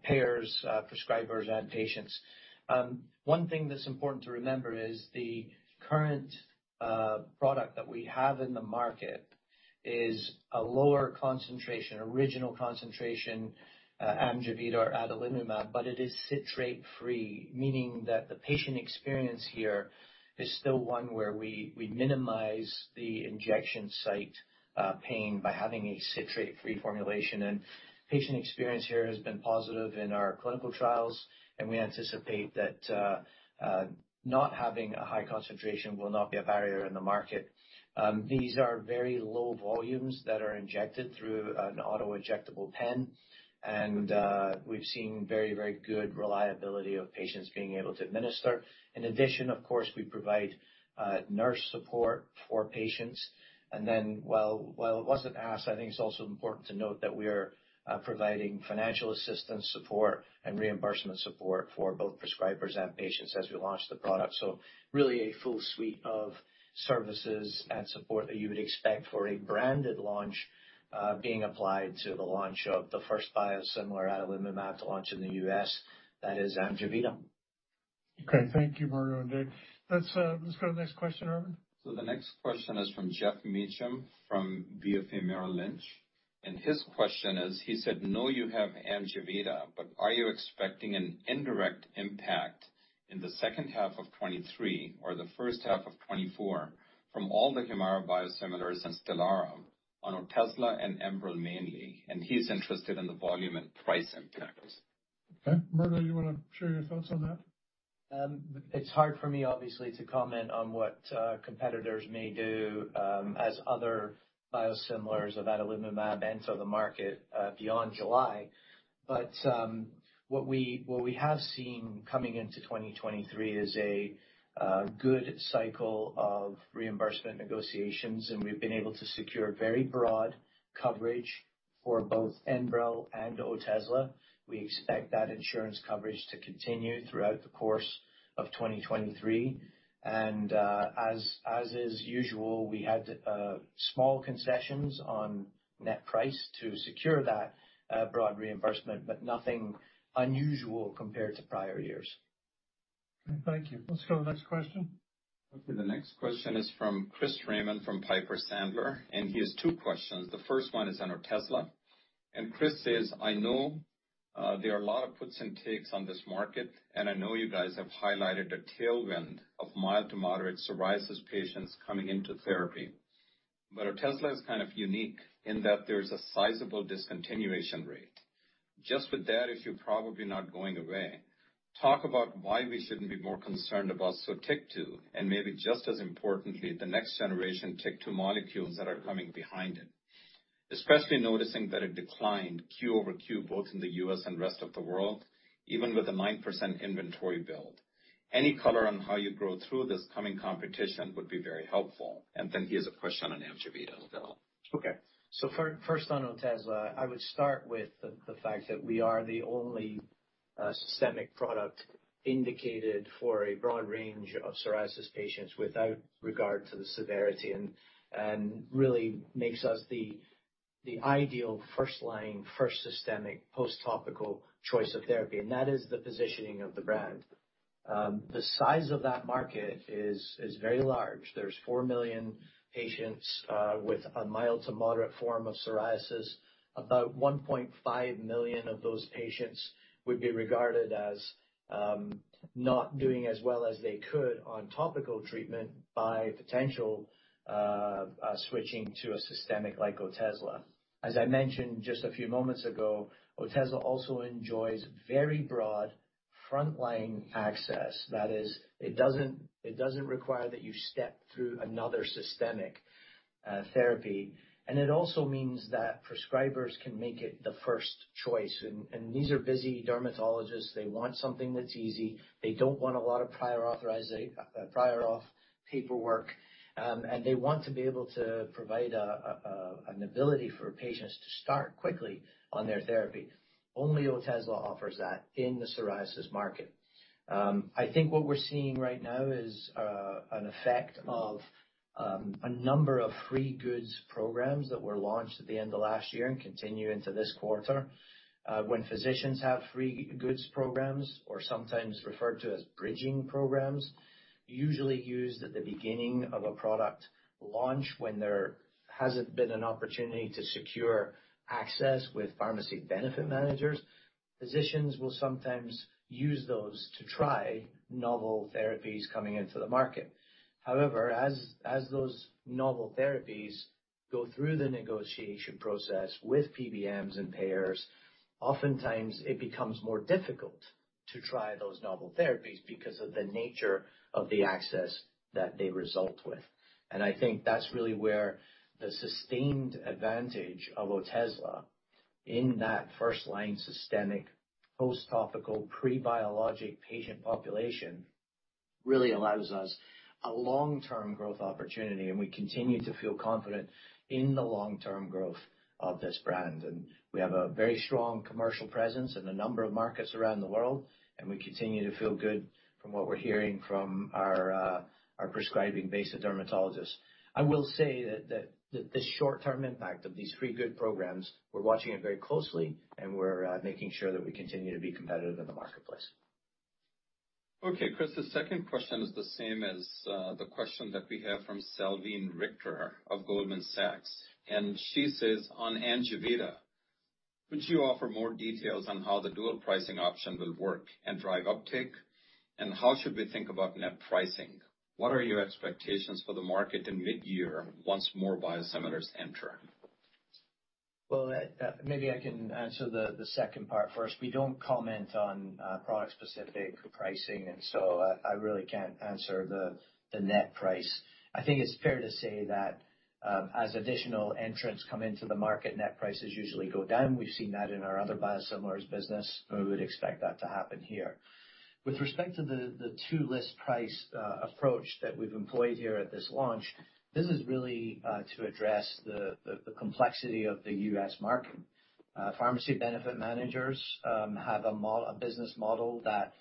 payers, prescribers and patients. One thing that's important to remember is the current product that we have in the market is a lower concentration, original concentration, AMJEVITA or adalimumab, but it is citrate-free, meaning that the patient experience here is still one where we minimize the injection site pain by having a citrate-free formulation. Patient experience here has been positive in our clinical trials, and we anticipate that not having a high concentration will not be a barrier in the market. These are very low volumes that are injected through an auto-injectable pen, and we've seen very, very good reliability of patients being able to administer. In addition, of course, we provide nurse support for patients. While it wasn't asked, I think it's also important to note that we are providing financial assistance support and reimbursement support for both prescribers and patients as we launch the product. Really a full suite of services and support that you would expect for a branded launch, being applied to the launch of the first biosimilar adalimumab to launch in the U.S., that is AMJEVITA. Okay. Thank you, Murdo and Dave. Let's go to the next question, Arvind. The next question is from Geoff Meacham from BofA Merrill Lynch. His question is, he said, I know you have AMJEVITA, but are you expecting an indirect impact in the second half of 2023 or the first half of 2024 from all the HUMIRA biosimilars and STELARA on Otezla and ENBREL mainly? He's interested in the volume and price impacts. Okay. Murdo, you wanna share your thoughts on that? It's hard for me, obviously, to comment on what competitors may do as other biosimilars of adalimumab enter the market beyond July. What we have seen coming into 2023 is a good cycle of reimbursement negotiations, and we've been able to secure very broad coverage for both ENBREL and Otezla. We expect that insurance coverage to continue throughout the course of 2023. As is usual, we had small concessions on net price to secure that broad reimbursement, but nothing unusual compared to prior years. Okay, thank you. Let's go next question. Okay, the next question is from Chris Raymond from Piper Sandler. He has two questions. The first one is on Otezla. Chris says, I know there are a lot of puts and takes on this market, and I know you guys have highlighted a tailwind of mild to moderate psoriasis patients coming into therapy. Otezla is kind of unique in that there's a sizable discontinuation rate. Just with that issue probably not going away, talk about why we shouldn't be more concerned about Sotyktu and maybe just as importantly, the next generation TYK2 molecules that are coming behind it. Especially noticing that it declined Q-over-Q, both in the U.S. and rest of the world, even with a 9% inventory build. Any color on how you grow through this coming competition would be very helpful. He has a question on AMJEVITA as well. First on Otezla, I would start with the fact that we are the only systemic product indicated for a broad range of psoriasis patients without regard to the severity, and really makes us the ideal first line, first systemic post-topical choice of therapy. That is the positioning of the brand. The size of that market is very large. There's 4 million patients with a mild to moderate form of psoriasis. About 1.5 million of those patients would be regarded as not doing as well as they could on topical treatment by potential switching to a systemic like Otezla. As I mentioned just a few moments ago, Otezla also enjoys very broad frontline access. That is, it doesn't require that you step through another systemic therapy. It also means that prescribers can make it the first choice. These are busy dermatologists. They want something that's easy. They don't want a lot of prior auth paperwork. They want to be able to provide an ability for patients to start quickly on their therapy. Only Otezla offers that in the psoriasis market. I think what we're seeing right now is an effect of a number of free goods programs that were launched at the end of last year and continue into this quarter. When physicians have free goods programs, or sometimes referred to as bridging programs, usually used at the beginning of a product launch when there hasn't been an opportunity to secure access with pharmacy benefit managers. Physicians will sometimes use those to try novel therapies coming into the market. However, as those novel therapies go through the negotiation process with PBMs and payers, oftentimes it becomes more difficult to try those novel therapies because of the nature of the access that they result with. I think that's really where the sustained advantage of Otezla in that first-line systemic post-topical pre-biologic patient population really allows us a long-term growth opportunity, and we continue to feel confident in the long-term growth of this brand. We have a very strong commercial presence in a number of markets around the world, and we continue to feel good from what we're hearing from our prescribing base of dermatologists. I will say that the short-term impact of these free good programs, we're watching it very closely and we're making sure that we continue to be competitive in the marketplace. Okay, Chris, the second question is the same as the question that we have from Salveen Richter of Goldman Sachs. She says, on AMJEVITA, could you offer more details on how the dual pricing option will work and drive uptake? How should we think about net pricing? What are your expectations for the market in midyear once more biosimilars enter? Well, maybe I can answer the second part first. We don't comment on product-specific pricing, and so I really can't answer the net price. I think it's fair to say that as additional entrants come into the market, net prices usually go down. We've seen that in our other biosimilars business, and we would expect that to happen here. With respect to the two list price approach that we've employed here at this launch, this is really to address the complexity of the U.S. market. Pharmacy benefit managers have a business model that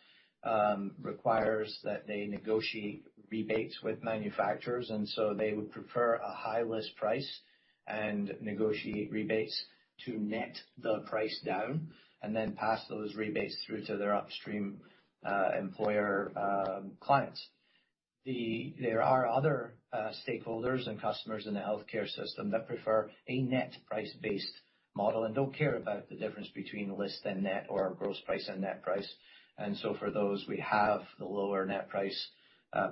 requires that they negotiate rebates with manufacturers. They would prefer a high list price and negotiate rebates to net the price down and then pass those rebates through to their upstream employer clients. There are other stakeholders and customers in the healthcare system that prefer a net price-based model and don't care about the difference between list and net or gross price and net price. For those, we have the lower net price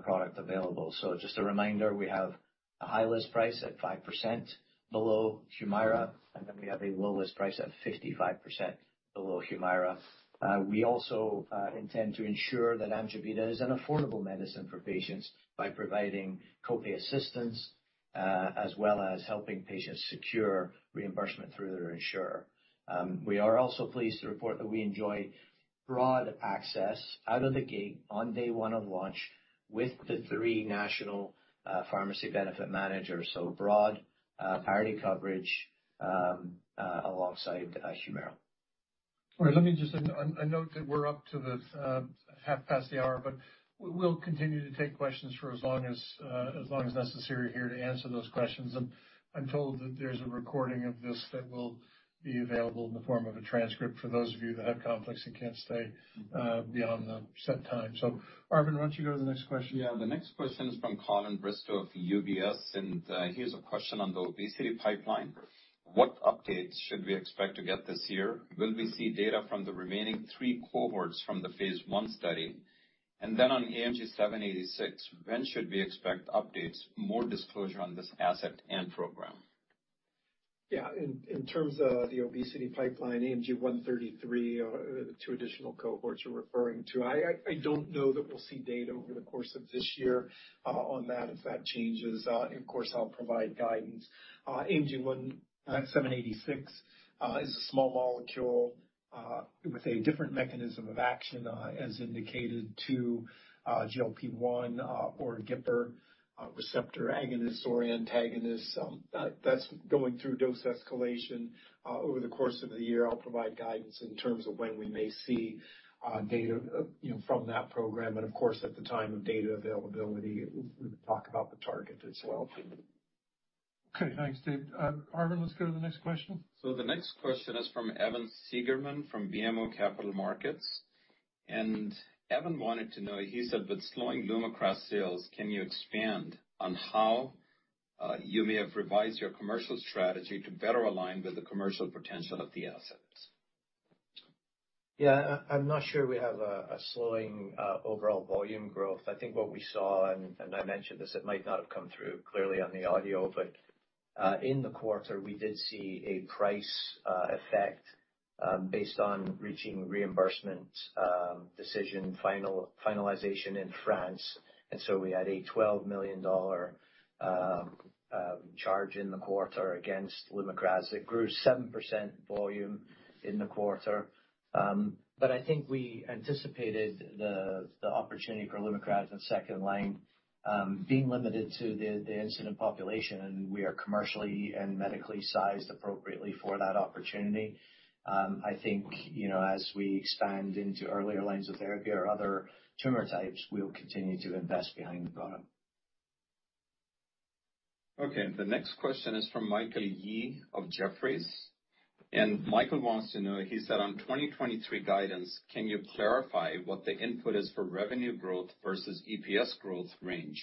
product available. Just a reminder, we have a high list price at 5% below HUMIRA, and then we have a low list price at 55% below HUMIRA. We also intend to ensure that AMJEVITA is an affordable medicine for patients by providing co-pay assistance as well as helping patients secure reimbursement through their insurer. We are also pleased to report that we enjoy broad access out of the gate on day one of launch with the three national pharmacy benefit managers. Broad parity coverage alongside HUMIRA. All right. Let me just... I note that we're up to the half past the hour, but we'll continue to take questions for as long as necessary here to answer those questions. I'm told that there's a recording of this that will be available in the form of a transcript for those of you that have conflicts and can't stay beyond the set time. Arvind, why don't you go to the next question? Yeah. The next question is from Colin Bristow of UBS, here's a question on the obesity pipeline. What updates should we expect to get this year? Will we see data from the remaining three cohorts from the phase one study? Then on AMG 786, when should we expect updates, more disclosure on this asset and program? Yeah. In terms of the obesity pipeline, AMG 133 or the two additional cohorts you're referring to, I don't know that we'll see data over the course of this year on that. If that changes, of course, I'll provide guidance. AMG 786 is a small molecule with a different mechanism of action as indicated to GLP-1 or GIPR receptor agonist or antagonist. That's going through dose escalation. Over the course of the year, I'll provide guidance in terms of when we may see data, you know, from that program, of course, at the time of data availability, we'll talk about the target as well. Okay. Thanks, Dave. Arvind, let's go to the next question. The next question is from Evan Seigerman from BMO Capital Markets. Evan wanted to know, he said, with slowing LUMAKRAS sales, can you expand on how you may have revised your commercial strategy to better align with the commercial potential of the assets? Yeah. I'm not sure we have a slowing overall volume growth. I think what we saw, I mentioned this, it might not have come through clearly on the audio, but in the quarter, we did see a price effect based on reaching reimbursement decision finalization in France. We had a $12 million charge in the quarter against LUMAKRAS. It grew 7% volume in the quarter. I think we anticipated the opportunity for LUMAKRAS in second line being limited to the incident population, and we are commercially and medically sized appropriately for that opportunity. I think, you know, as we expand into earlier lines of therapy or other tumor types, we'll continue to invest behind the product. Okay. The next question is from Michael Yee of Jefferies. Michael wants to know, he said, on 2023 guidance, can you clarify what the input is for revenue growth versus EPS growth range?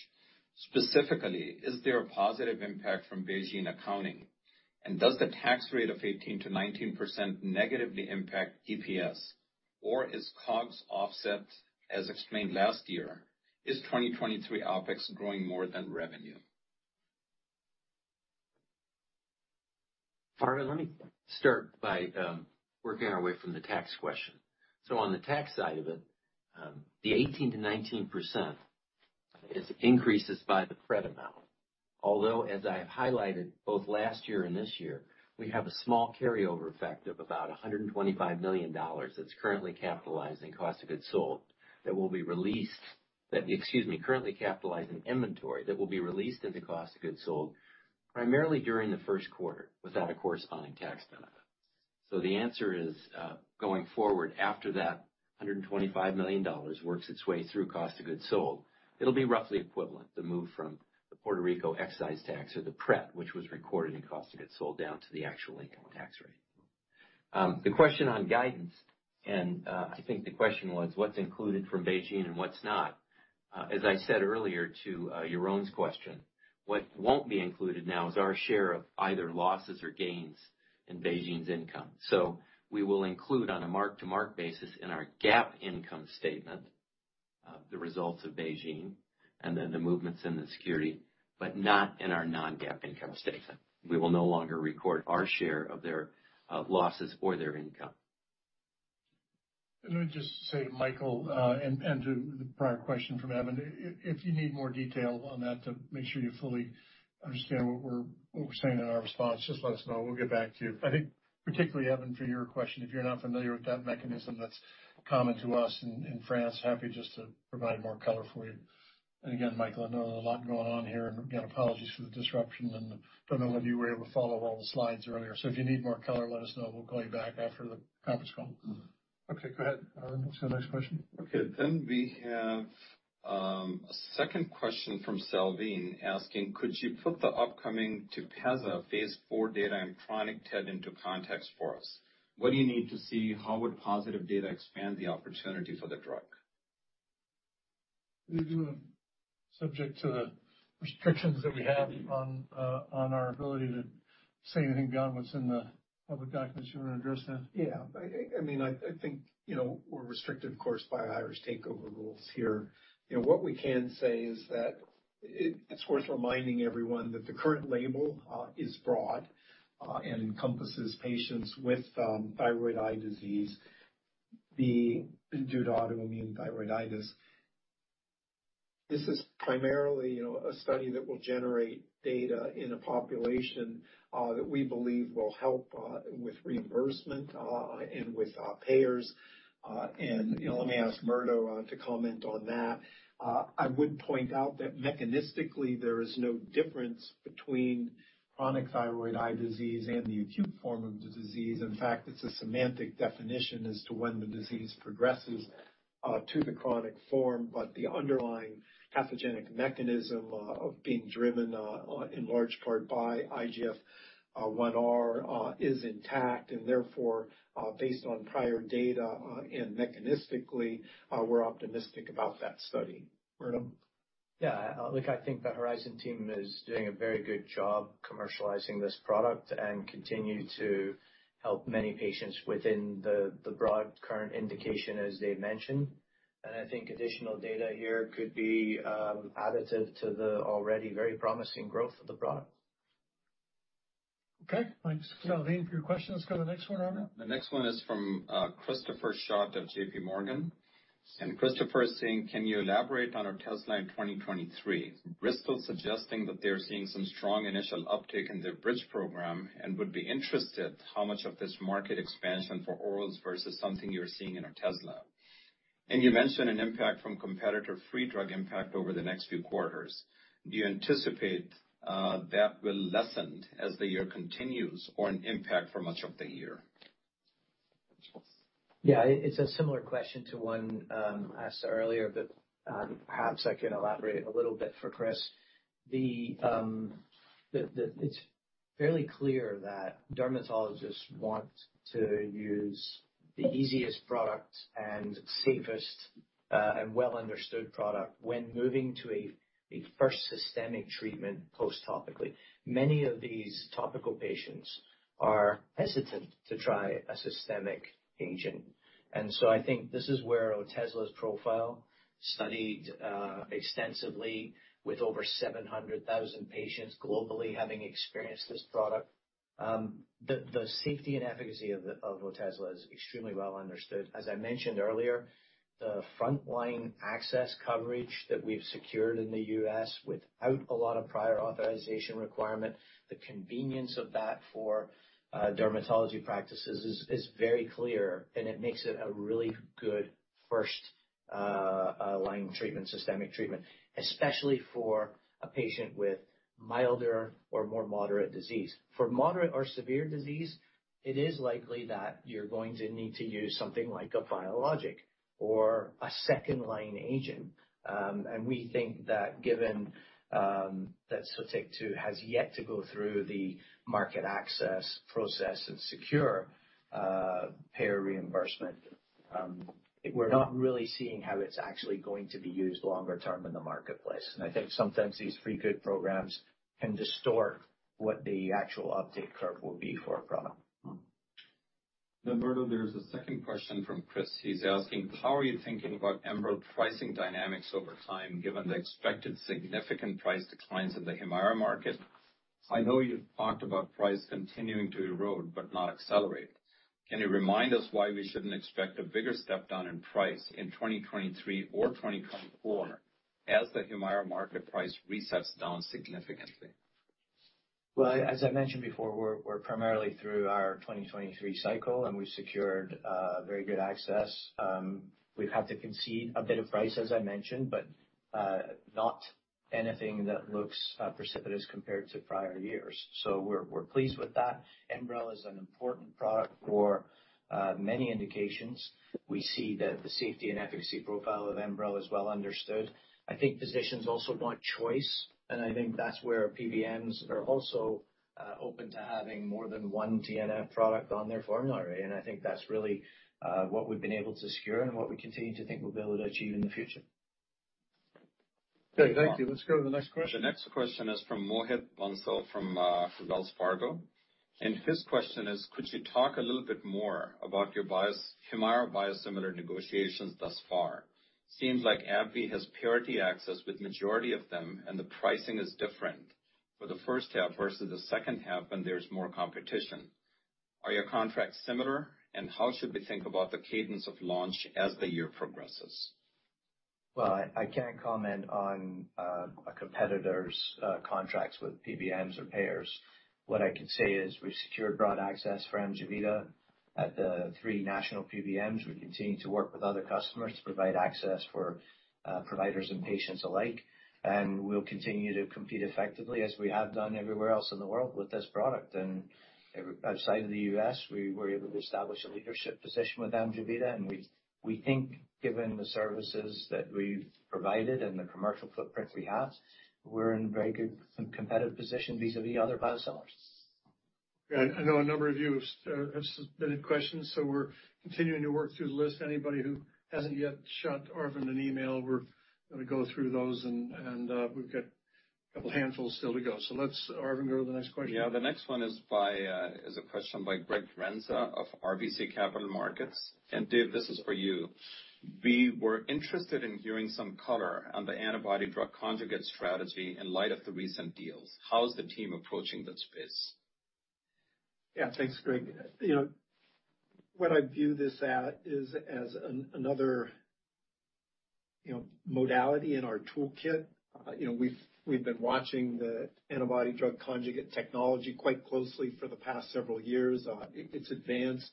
Specifically, is there a positive impact from BeiGene accounting? Does the tax rate of 18%-19% negatively impact EPS? Or is COGS offset, as explained last year? Is 2023 OpEx growing more than revenue? Arvind, let me start by working our way from the tax question. On the tax side of it, the 18%-19% is increases by the PRET amount. As I have highlighted both last year and this year, we have a small carryover effect of about $125 million currently capitalizing inventory that will be released as a cost of goods sold primarily during the first quarter, without a corresponding tax benefit. The answer is, going forward, after that $125 million works its way through cost of goods sold, it'll be roughly equivalent to move from the Puerto Rico excise tax or the PRET, which was recorded in cost of goods sold down to the actual income tax rate. The question on guidance, I think the question was what's included from BeiGene and what's not. As I said earlier to Yaron's question, what won't be included now is our share of either losses or gains in BeiGene's income. We will include on a mark-to-market basis in our GAAP income statement, the results of BeiGene and then the movements in the security, but not in our non-GAAP income statement. We will no longer record our share of their losses or their income. Let me just say, Michael, and to the prior question from Evan, if you need more detail on that to make sure you fully understand what we're saying in our response, just let us know. We'll get back to you. I think particularly, Evan, for your question, if you're not familiar with that mechanism that's common to us in France, happy just to provide more color for you. Again, Michael, I know there's a lot going on here, and again, apologies for the disruption and don't know whether you were able to follow all the slides earlier. If you need more color, let us know. We'll call you back after the conference call. Okay, go ahead, Arvind. Let's go to the next question. We have a second question from Salveen asking, could you put the upcoming TEPEZZA phase IV data and chronic TED into context for us? What do you need to see? How would positive data expand the opportunity for the drug? You do, subject to the restrictions that we have on our ability to say anything beyond what's in the public documents you wanna address then? Yeah. I mean, I think, you know, we're restricted, of course, by Irish Takeover Rules here. You know, what we can say is that it's worth reminding everyone that the current label is broad and encompasses patients with thyroid eye disease due to autoimmune thyroiditis. This is primarily, you know, a study that will generate data in a population that we believe will help with reimbursement and with our payers. Let me ask Murdo to comment on that. I would point out that mechanistically there is no difference between chronic thyroid eye disease and the acute form of the disease. In fact, it's a semantic definition as to when the disease progresses to the chronic form. The underlying pathogenic mechanism of being driven in large part by IGF-1R is intact, and therefore, based on prior data, and mechanistically, we're optimistic about that study. Murdo? Yeah. look, I think the Horizon team is doing a very good job commercializing this product and continue to help many patients within the broad current indication, as Dave mentioned. I think additional data here could be additive to the already very promising growth of the product. Okay. Thanks, Salveen for your question. Let's go to the next one, Arvind. The next one is from Christopher Schott of JPMorgan. Christopher is saying, can you elaborate on Otezla in 2023? Bristol is suggesting that they are seeing some strong initial uptick in their bridge program and would be interested how much of this market expansion for orals versus something you're seeing in Otezla. You mentioned an impact from competitor free drug impact over the next few quarters. Do you anticipate that will lessen as the year continues or an impact for much of the year? Yeah. It's a similar question to one asked earlier, but perhaps I can elaborate a little bit for Chris. It's fairly clear that dermatologists want to use the easiest product and safest and well-understood product when moving to a first systemic treatment post topically. Many of these topical patients are hesitant to try a systemic agent. I think this is where Otezla's profile studied extensively with over 700,000 patients globally having experienced this product. The safety and efficacy of Otezla is extremely well understood. As I mentioned earlier, the frontline access coverage that we've secured in the U.S. without a lot of prior authorization requirement, the convenience of that for dermatology practices is very clear, and it makes it a really good first line treatment, systemic treatment, especially for a patient with milder or more moderate disease. For moderate or severe disease, it is likely that you're going to need to use something like a biologic or a second line agent. We think that given that Sotyktu has yet to go through the market access process and secure payer reimbursement, we're not really seeing how it's actually going to be used longer term in the marketplace. I think sometimes these free good programs can distort what the actual uptake curve will be for a product. Murdo, there's a second question from Chris. He's asking, how are you thinking about ENBREL pricing dynamics over time, given the expected significant price declines in the HUMIRA market? I know you've talked about price continuing to erode but not accelerate. Can you remind us why we shouldn't expect a bigger step down in price in 2023 or 2024 as the HUMIRA market price resets down significantly? Well, as I mentioned before, we're primarily through our 2023 cycle, we've secured very good access. We've had to concede a bit of price, as I mentioned, not anything that looks precipitous compared to prior years. We're pleased with that. ENBREL is an important product for many indications. We see that the safety and efficacy profile of ENBREL is well understood. I think physicians also want choice, I think that's where PBMs are also open to having more than one TNF product on their formulary. I think that's really what we've been able to secure and what we continue to think we'll be able to achieve in the future. Okay. Thank you. Let's go to the next question. The next question is from Mohit Bansal from Wells Fargo. His question is, could you talk a little bit more about your HUMIRA biosimilar negotiations thus far? Seems like AbbVie has parity access with majority of them, and the pricing is different for the first half versus the second half when there's more competition. Are your contracts similar, and how should we think about the cadence of launch as the year progresses? Well, I can't comment on a competitor's contracts with PBMs or payers. What I can say is we've secured broad access for AMJEVITA at the three national PBMs. We continue to work with other customers to provide access for providers and patients alike, and we'll continue to compete effectively, as we have done everywhere else in the world with this product. Outside of the U.S., we were able to establish a leadership position with AMJEVITA, and we think given the services that we've provided and the commercial footprint we have, we're in very good competitive position vis-à-vis other biosimilars. I know a number of you have submitted questions, so we're continuing to work through the list. Anybody who hasn't yet shot Arvind an email, we're gonna go through those and, we've got a couple handfuls still to go. Let's, Arvind, go to the next question. Yeah. The next one is by, is a question by Greg Renza of RBC Capital Markets. Dave, this is for you. We were interested in hearing some color on the antibody drug conjugate strategy in light of the recent deals. How is the team approaching that space? Yeah. Thanks, Greg. You know, what I view this at is as another, you know, modality in our toolkit. You know, we've been watching the antibody-drug conjugate technology quite closely for the past several years. It's advanced.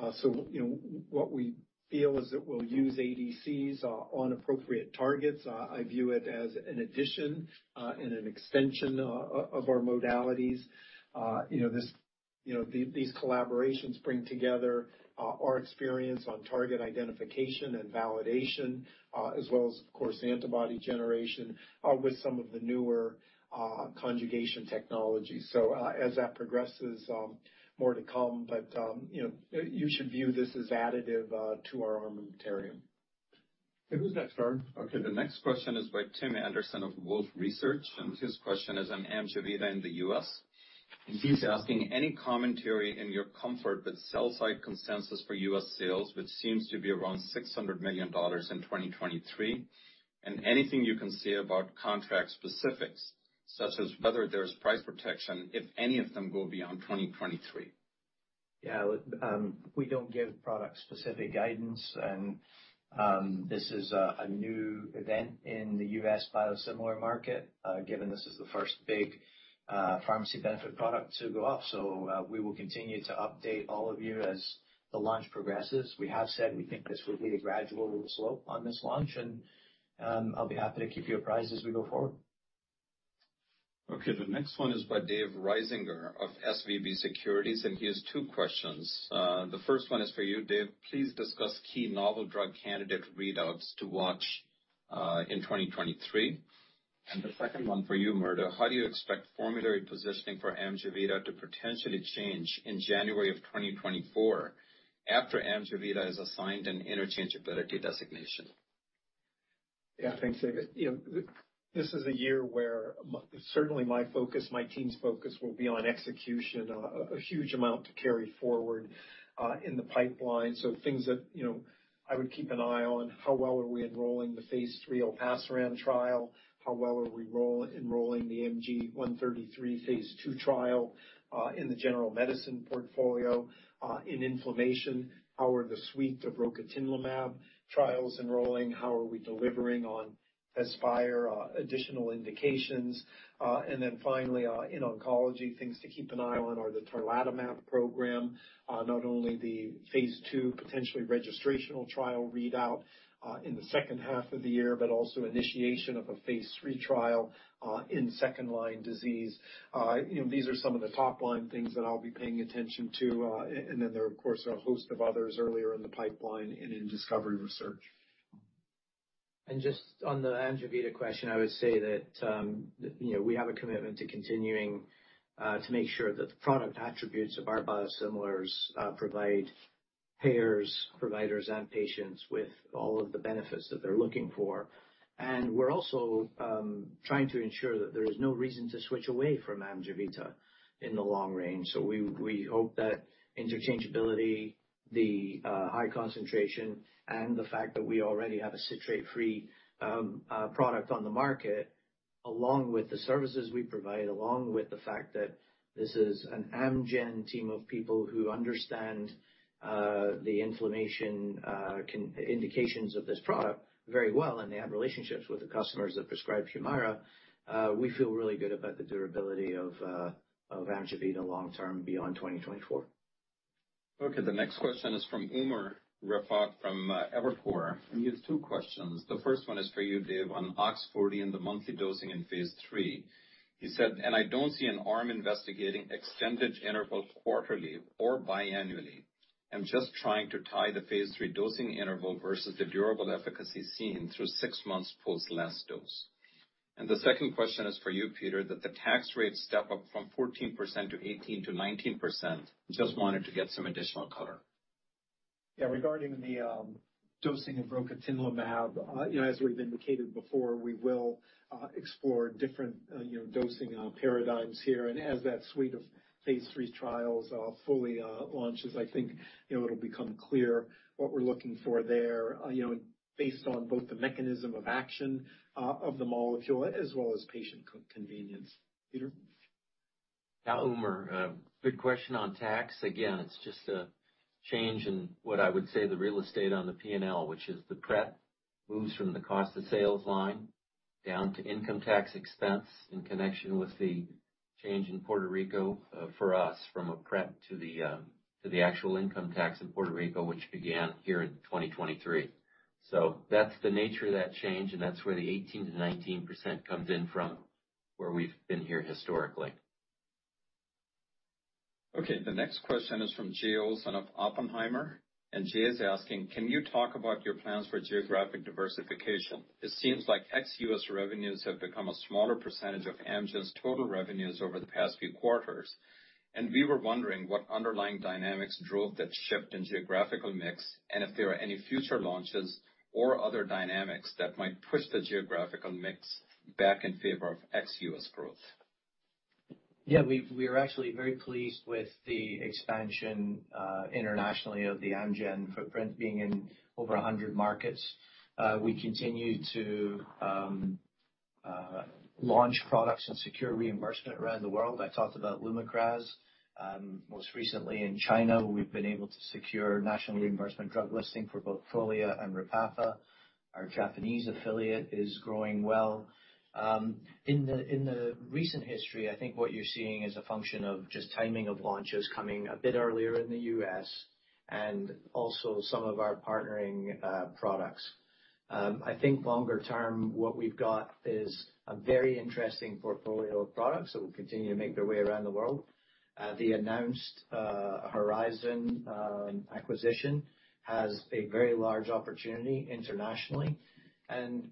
You know, what we feel is that we'll use ADCs on appropriate targets. I view it as an addition, and an extension of our modalities. You know, these collaborations bring together our experience on target identification and validation, as well as, of course, antibody generation, with some of the newer conjugation technology. As that progresses, more to come, but, you know, you should view this as additive to our armamentarium. Okay, who's next, Arvind? Okay, the next question is by Tim Anderson of Wolfe Research, and his question is on AMJEVITA in the U.S. He's asking: Any commentary in your comfort with sell side consensus for U.S. sales, which seems to be around $600 million in 2023, and anything you can say about contract specifics, such as whether there's price protection, if any of them go beyond 2023. Yeah. Look, we don't give product-specific guidance and this is a new event in the U.S. biosimilar market, given this is the first big pharmacy benefit product to go off. We will continue to update all of you as the launch progresses. We have said we think this will be a gradual slope on this launch. I'll be happy to keep you apprised as we go forward. Okay. The next one is by Dave Risinger of SVB Securities, and he has two questions. The first one is for you, Dave: Please discuss key novel drug candidate readouts to watch, in 2023. The second one for you, Murdo: How do you expect formulary positioning for AMJEVITA to potentially change in January of 2024 after AMJEVITA is assigned an interchangeability designation? Yeah. Thanks, Dave. You know, this is a year where certainly my focus, my team's focus will be on execution. A huge amount to carry forward in the pipeline. Things that, you know, I would keep an eye on, how well are we enrolling the phase III olpasiran trial, how well are we enrolling the AMG 133 phase II trial in the general medicine portfolio. In inflammation, how are the suite of rocatinlimab trials enrolling, how are we delivering on TEZSPIRE, additional indications. Finally, in oncology, things to keep an eye on are the tarlatamab program, not only the phase II potentially registrational trial readout in the second half of the year, but also initiation of a phase III trial in second line disease. you know, these are some of the top line things that I'll be paying attention to, and then there are, of course, a host of others earlier in the pipeline and in discovery research. Just on the AMJEVITA question, I would say that, you know, we have a commitment to continuing to make sure that the product attributes of our biosimilars provide payers, providers, and patients with all of the benefits that they're looking for. We're also trying to ensure that there is no reason to switch away from AMJEVITA in the long range. We hope that interchangeability, the high concentration, and the fact that we already have a citrate-free product on the market, along with the services we provide, along with the fact that this is an Amgen team of people who understand the inflammation indications of this product very well, and they have relationships with the customers that prescribe HUMIRA, we feel really good about the durability of AMJEVITA long term beyond 2024. Okay. The next question is from Umer Raffat from Evercore, and he has two questions. The first one is for you, Dave, on OX40 and the monthly dosing in phase III. He said, I don't see an arm investigating extended interval quarterly or biannually. I'm just trying to tie the phase III dosing interval versus the durable efficacy seen through six months post last dose. The second question is for you, Peter, that the tax rate step up from 14% to 18%-19%, just wanted to get some additional color. Yeah. Regarding the dosing of rocatinlimab, you know, as we've indicated before, we will explore different, you know, dosing paradigms here. As that suite of phase III trials fully launches, I think, you know, it'll become clear what we're looking for there, you know, based on both the mechanism of action of the molecule as well as patient convenience. Peter? Yeah, Umer, good question on tax. Again, it's just a change in what I would say the real estate on the P&L, which is the PRET moves from the cost to sales line down to income tax expense in connection with the change in Puerto Rico, for us from a PRET to the actual income tax in Puerto Rico, which began here in 2023. That's the nature of that change, and that's where the 18%-19% comes in from where we've been here historically. Okay. The next question is from Jay Olson of Oppenheimer. Jay is asking, can you talk about your plans for geographic diversification? It seems like ex-U.S. revenues have become a smaller percentage of Amgen's total revenues over the past few quarters. We were wondering what underlying dynamics drove that shift in geographical mix and if there are any future launches or other dynamics that might push the geographical mix back in favor of ex-U.S. growth. Yeah. We are actually very pleased with the expansion internationally of the Amgen footprint being in over 100 markets. We continue to launch products and secure reimbursement around the world. I talked about LUMAKRAS. Most recently in China, we've been able to secure national reimbursement drug listing for both Prolia and Repatha. Our Japanese affiliate is growing well. In the recent history, I think what you're seeing is a function of just timing of launches coming a bit earlier in the U.S. and also some of our partnering products. I think longer term, what we've got is a very interesting portfolio of products that will continue to make their way around the world. The announced Horizon acquisition has a very large opportunity internationally.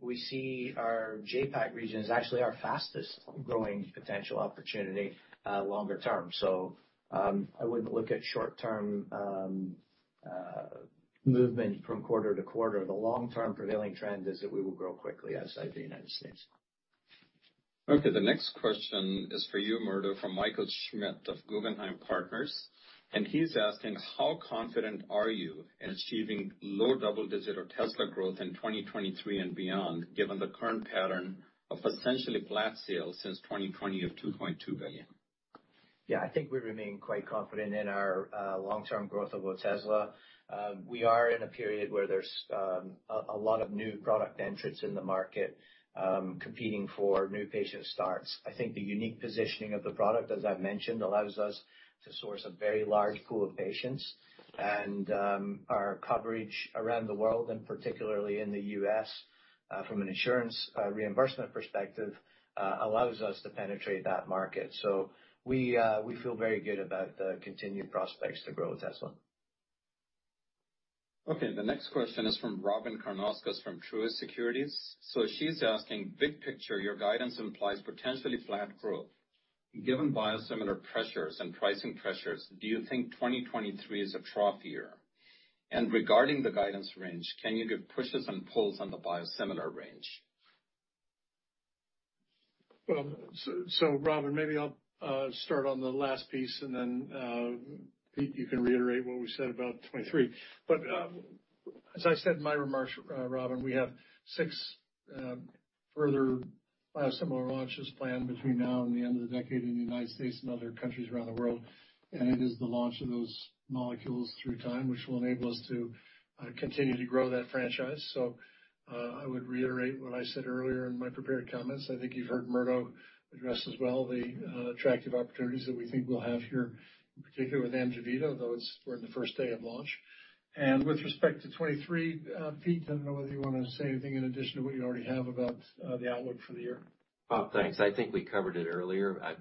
We see our JAPAC region is actually our fastest growing potential opportunity, longer term. I wouldn't look at short term movement from quarter to quarter. The long term prevailing trend is that we will grow quickly outside the United States. Okay, the next question is for you, Murdo, from Michael Schmidt of Guggenheim Partners. He's asking, how confident are you in achieving low double-digit Otezla growth in 2023 and beyond, given the current pattern of essentially flat sales since 2020 of $2.2 billion? Yeah. I think we remain quite confident in our long-term growth of Otezla. We are in a period where there's a lot of new product entrants in the market, competing for new patient starts. I think the unique positioning of the product, as I've mentioned, allows us to source a very large pool of patients. Our coverage around the world, and particularly in the U.S., from an insurance reimbursement perspective, allows us to penetrate that market. We feel very good about the continued prospects to grow Otezla. Okay. The next question is from Robyn Karnauskas from Truist Securities. She's asking, big picture, your guidance implies potentially flat growth. Given biosimilar pressures and pricing pressures, do you think 2023 is a trough year? Regarding the guidance range, can you give pushes and pulls on the biosimilar range? So Robyn, maybe I'll start on the last piece and then Pete, you can reiterate what we said about 2023. As I said in my remarks, Robyn, we have six further biosimilar launches planned between now and the end of the decade in the United States and other countries around the world. It is the launch of those molecules through time, which will enable us to continue to grow that franchise. I would reiterate what I said earlier in my prepared comments. I think you've heard Murdo address as well the attractive opportunities that we think we'll have here, in particular with AMJEVITA, though we're in the first day of launch. With respect to 2023, Pete, I don't know whether you wanna say anything in addition to what you already have about the outlook for the year. Bob, thanks. I think we covered it earlier. I'd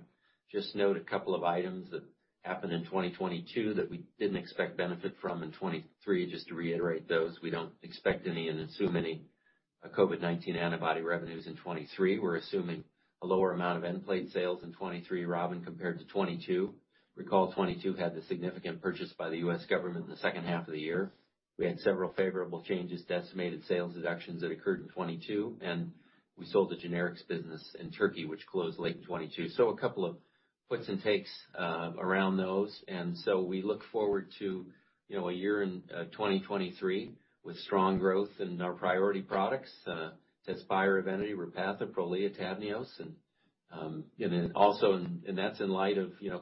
just note a couple of items that happened in 2022 that we didn't expect benefit from in 2023. Just to reiterate those, we don't expect any and assume any COVID-19 antibody revenues in 2023. We're assuming a lower amount of Nplate sales in 2023, Robyn, compared to 2022. Recall, 2022 had the significant purchase by the U.S. government in the second half of the year. We had several favorable changes to estimated sales deductions that occurred in 2022. We sold the generics business in Turkey, which closed late in 2022. A couple of puts and takes around those. We look forward to, you know, a year in 2023 with strong growth in our priority products, TEZSPIRE, EVENITY, Repatha, Prolia, TAVNEOS, and that's in light of, you know,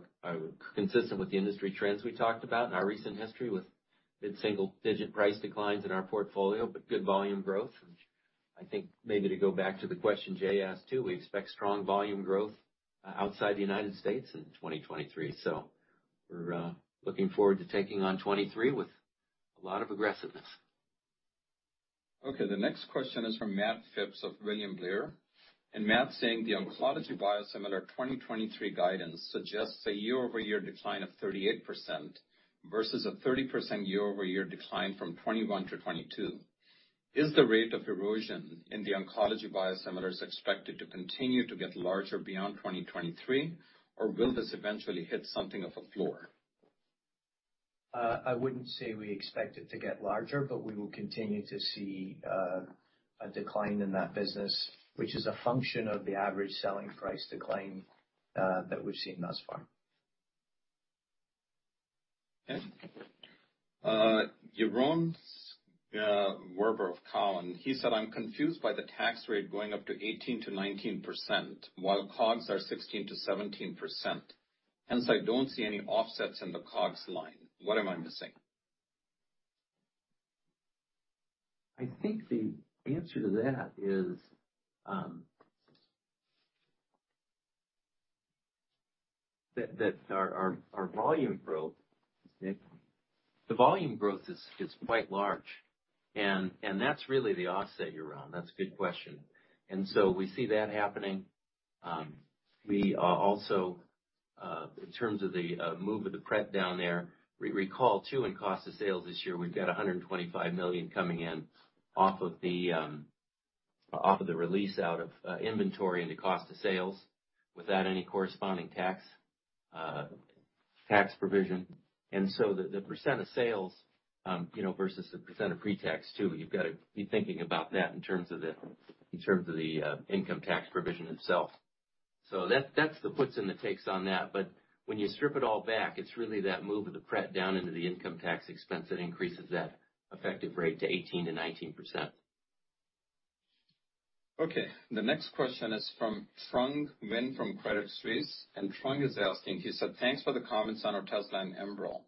consistent with the industry trends we talked about in our recent history with mid-single-digit price declines in our portfolio, but good volume growth. I think maybe to go back to the question Jay asked too, we expect strong volume growth outside the United States in 2023. We're looking forward to taking on 2023 with a lot of aggressiveness. Okay. The next question is from Matt Phipps of William Blair. Matt's saying the oncology biosimilar 2023 guidance suggests a year-over-year decline of 38% versus a 30% year-over-year decline from 2021 to 2022. Is the rate of erosion in the oncology biosimilars expected to continue to get larger beyond 2023, or will this eventually hit something of a floor? I wouldn't say we expect it to get larger, but we will continue to see a decline in that business, which is a function of the average selling price decline that we've seen thus far. Okay. Yaron Werber of Cowen. He said, I'm confused by the tax rate going up to 18%-19% while COGS are 16%-17%, hence I don't see any offsets in the COGS line. What am I missing? I think the answer to that is that our volume growth. The volume growth is quite large, and that's really the offset, Yaron. That's a good question. We see that happening. We are also, in terms of the move of the PRET down there, recall too, in cost of sales this year, we've got $125 million coming in off of the release out of inventory into cost of sales without any corresponding tax, tax provision. The percent of sales, you know, versus the percent of pre-tax too, you've got to be thinking about that in terms of the income tax provision itself. That's the puts and the takes on that. When you strip it all back, it's really that move of the PRET down into the income tax expense that increases that effective rate to 18%-19%. Okay. The next question is from Trung Huynh from Credit Suisse, and Trung is asking, he said, thanks for the comments on Otezla and ENBREL.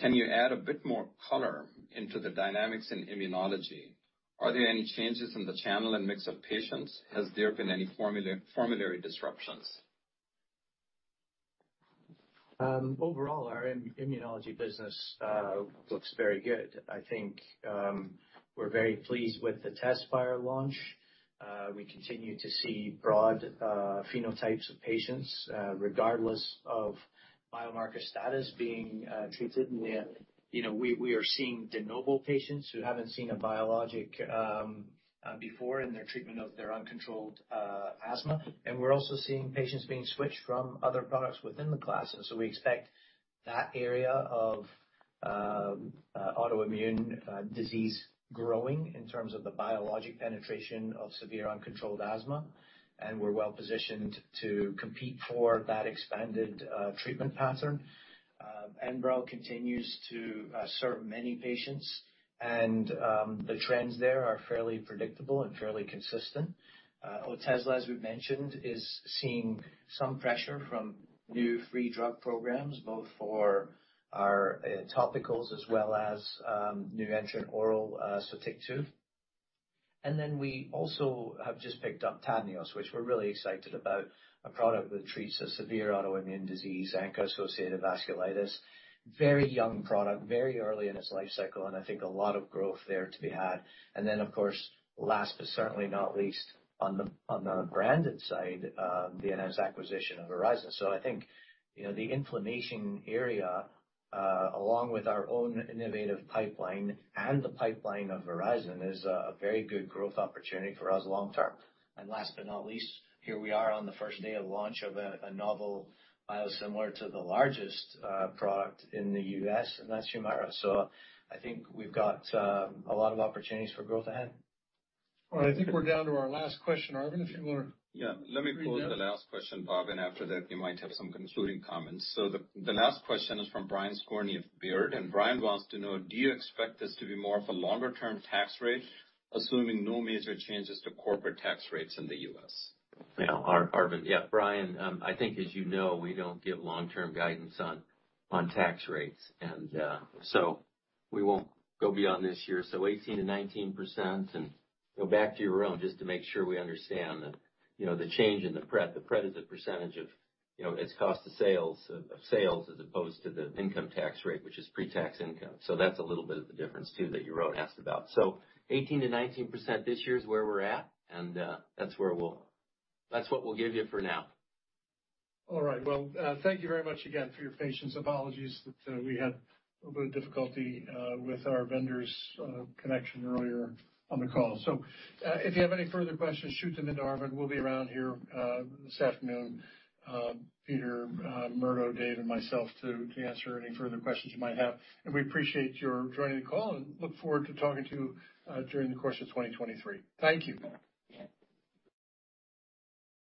Can you add a bit more color into the dynamics in immunology? Are there any changes in the channel and mix of patients? Has there been any formulary disruptions? Overall, our immunology business looks very good. I think, we're very pleased with the TEZSPIRE launch. We continue to see broad phenotypes of patients regardless of biomarker status being treated. You know, we are seeing de novo patients who haven't seen a biologic before in their treatment of their uncontrolled asthma. We're also seeing patients being switched from other products within the class. We expect that area of autoimmune disease growing in terms of the biologic penetration of severe uncontrolled asthma, and we're well-positioned to compete for that expanded treatment pattern. ENBREL continues to serve many patients, and the trends there are fairly predictable and fairly consistent. Otezla, as we've mentioned, is seeing some pressure from new free drug programs, both for our topicals as well as new entrant oral Sotyktu. We also have just picked up TAVNEOS, which we're really excited about, a product that treats a severe autoimmune disease, ANCA-associated vasculitis. Very young product, very early in its life cycle, and I think a lot of growth there to be had. Of course, last but certainly not least on the branded side, the announced acquisition of Horizon. I think, you know, the inflammation area, along with our own innovative pipeline and the pipeline of Horizon is a very good growth opportunity for us long term. last but not least, here we are on the first day of launch of a novel biosimilar to the largest product in the U.S., and that's HUMIRA. I think we've got a lot of opportunities for growth ahead. All right. I think we're down to our last question. Arvind, if you. Yeah. Let me pose the last question, Bob. After that, you might have some concluding comments. The last question is from Brian Skorney of Baird. Brian wants to know, do you expect this to be more of a longer term tax rate, assuming no major changes to corporate tax rates in the U.S.? Arvind. Brian, I think as you know, we don't give long-term guidance on tax rates. We won't go beyond this year, 18%-19%. Go back to your realm, just to make sure we understand the, you know, the change in the PRET. The PRET is a percentage of, you know, it's cost to sales, of sales as opposed to the income tax rate, which is pre-tax income. That's a little bit of the difference too, that you wrote and asked about. 18%-19% this year is where we're at, that's what we'll give you for now. All right. Well, thank you very much again for your patience. Apologies that we had a bit of difficulty with our vendor's connection earlier on the call. If you have any further questions, shoot them into Arvind. We'll be around here this afternoon, Peter, Murdo, Dave, and myself to answer any further questions you might have. We appreciate your joining the call and look forward to talking to you during the course of 2023. Thank you.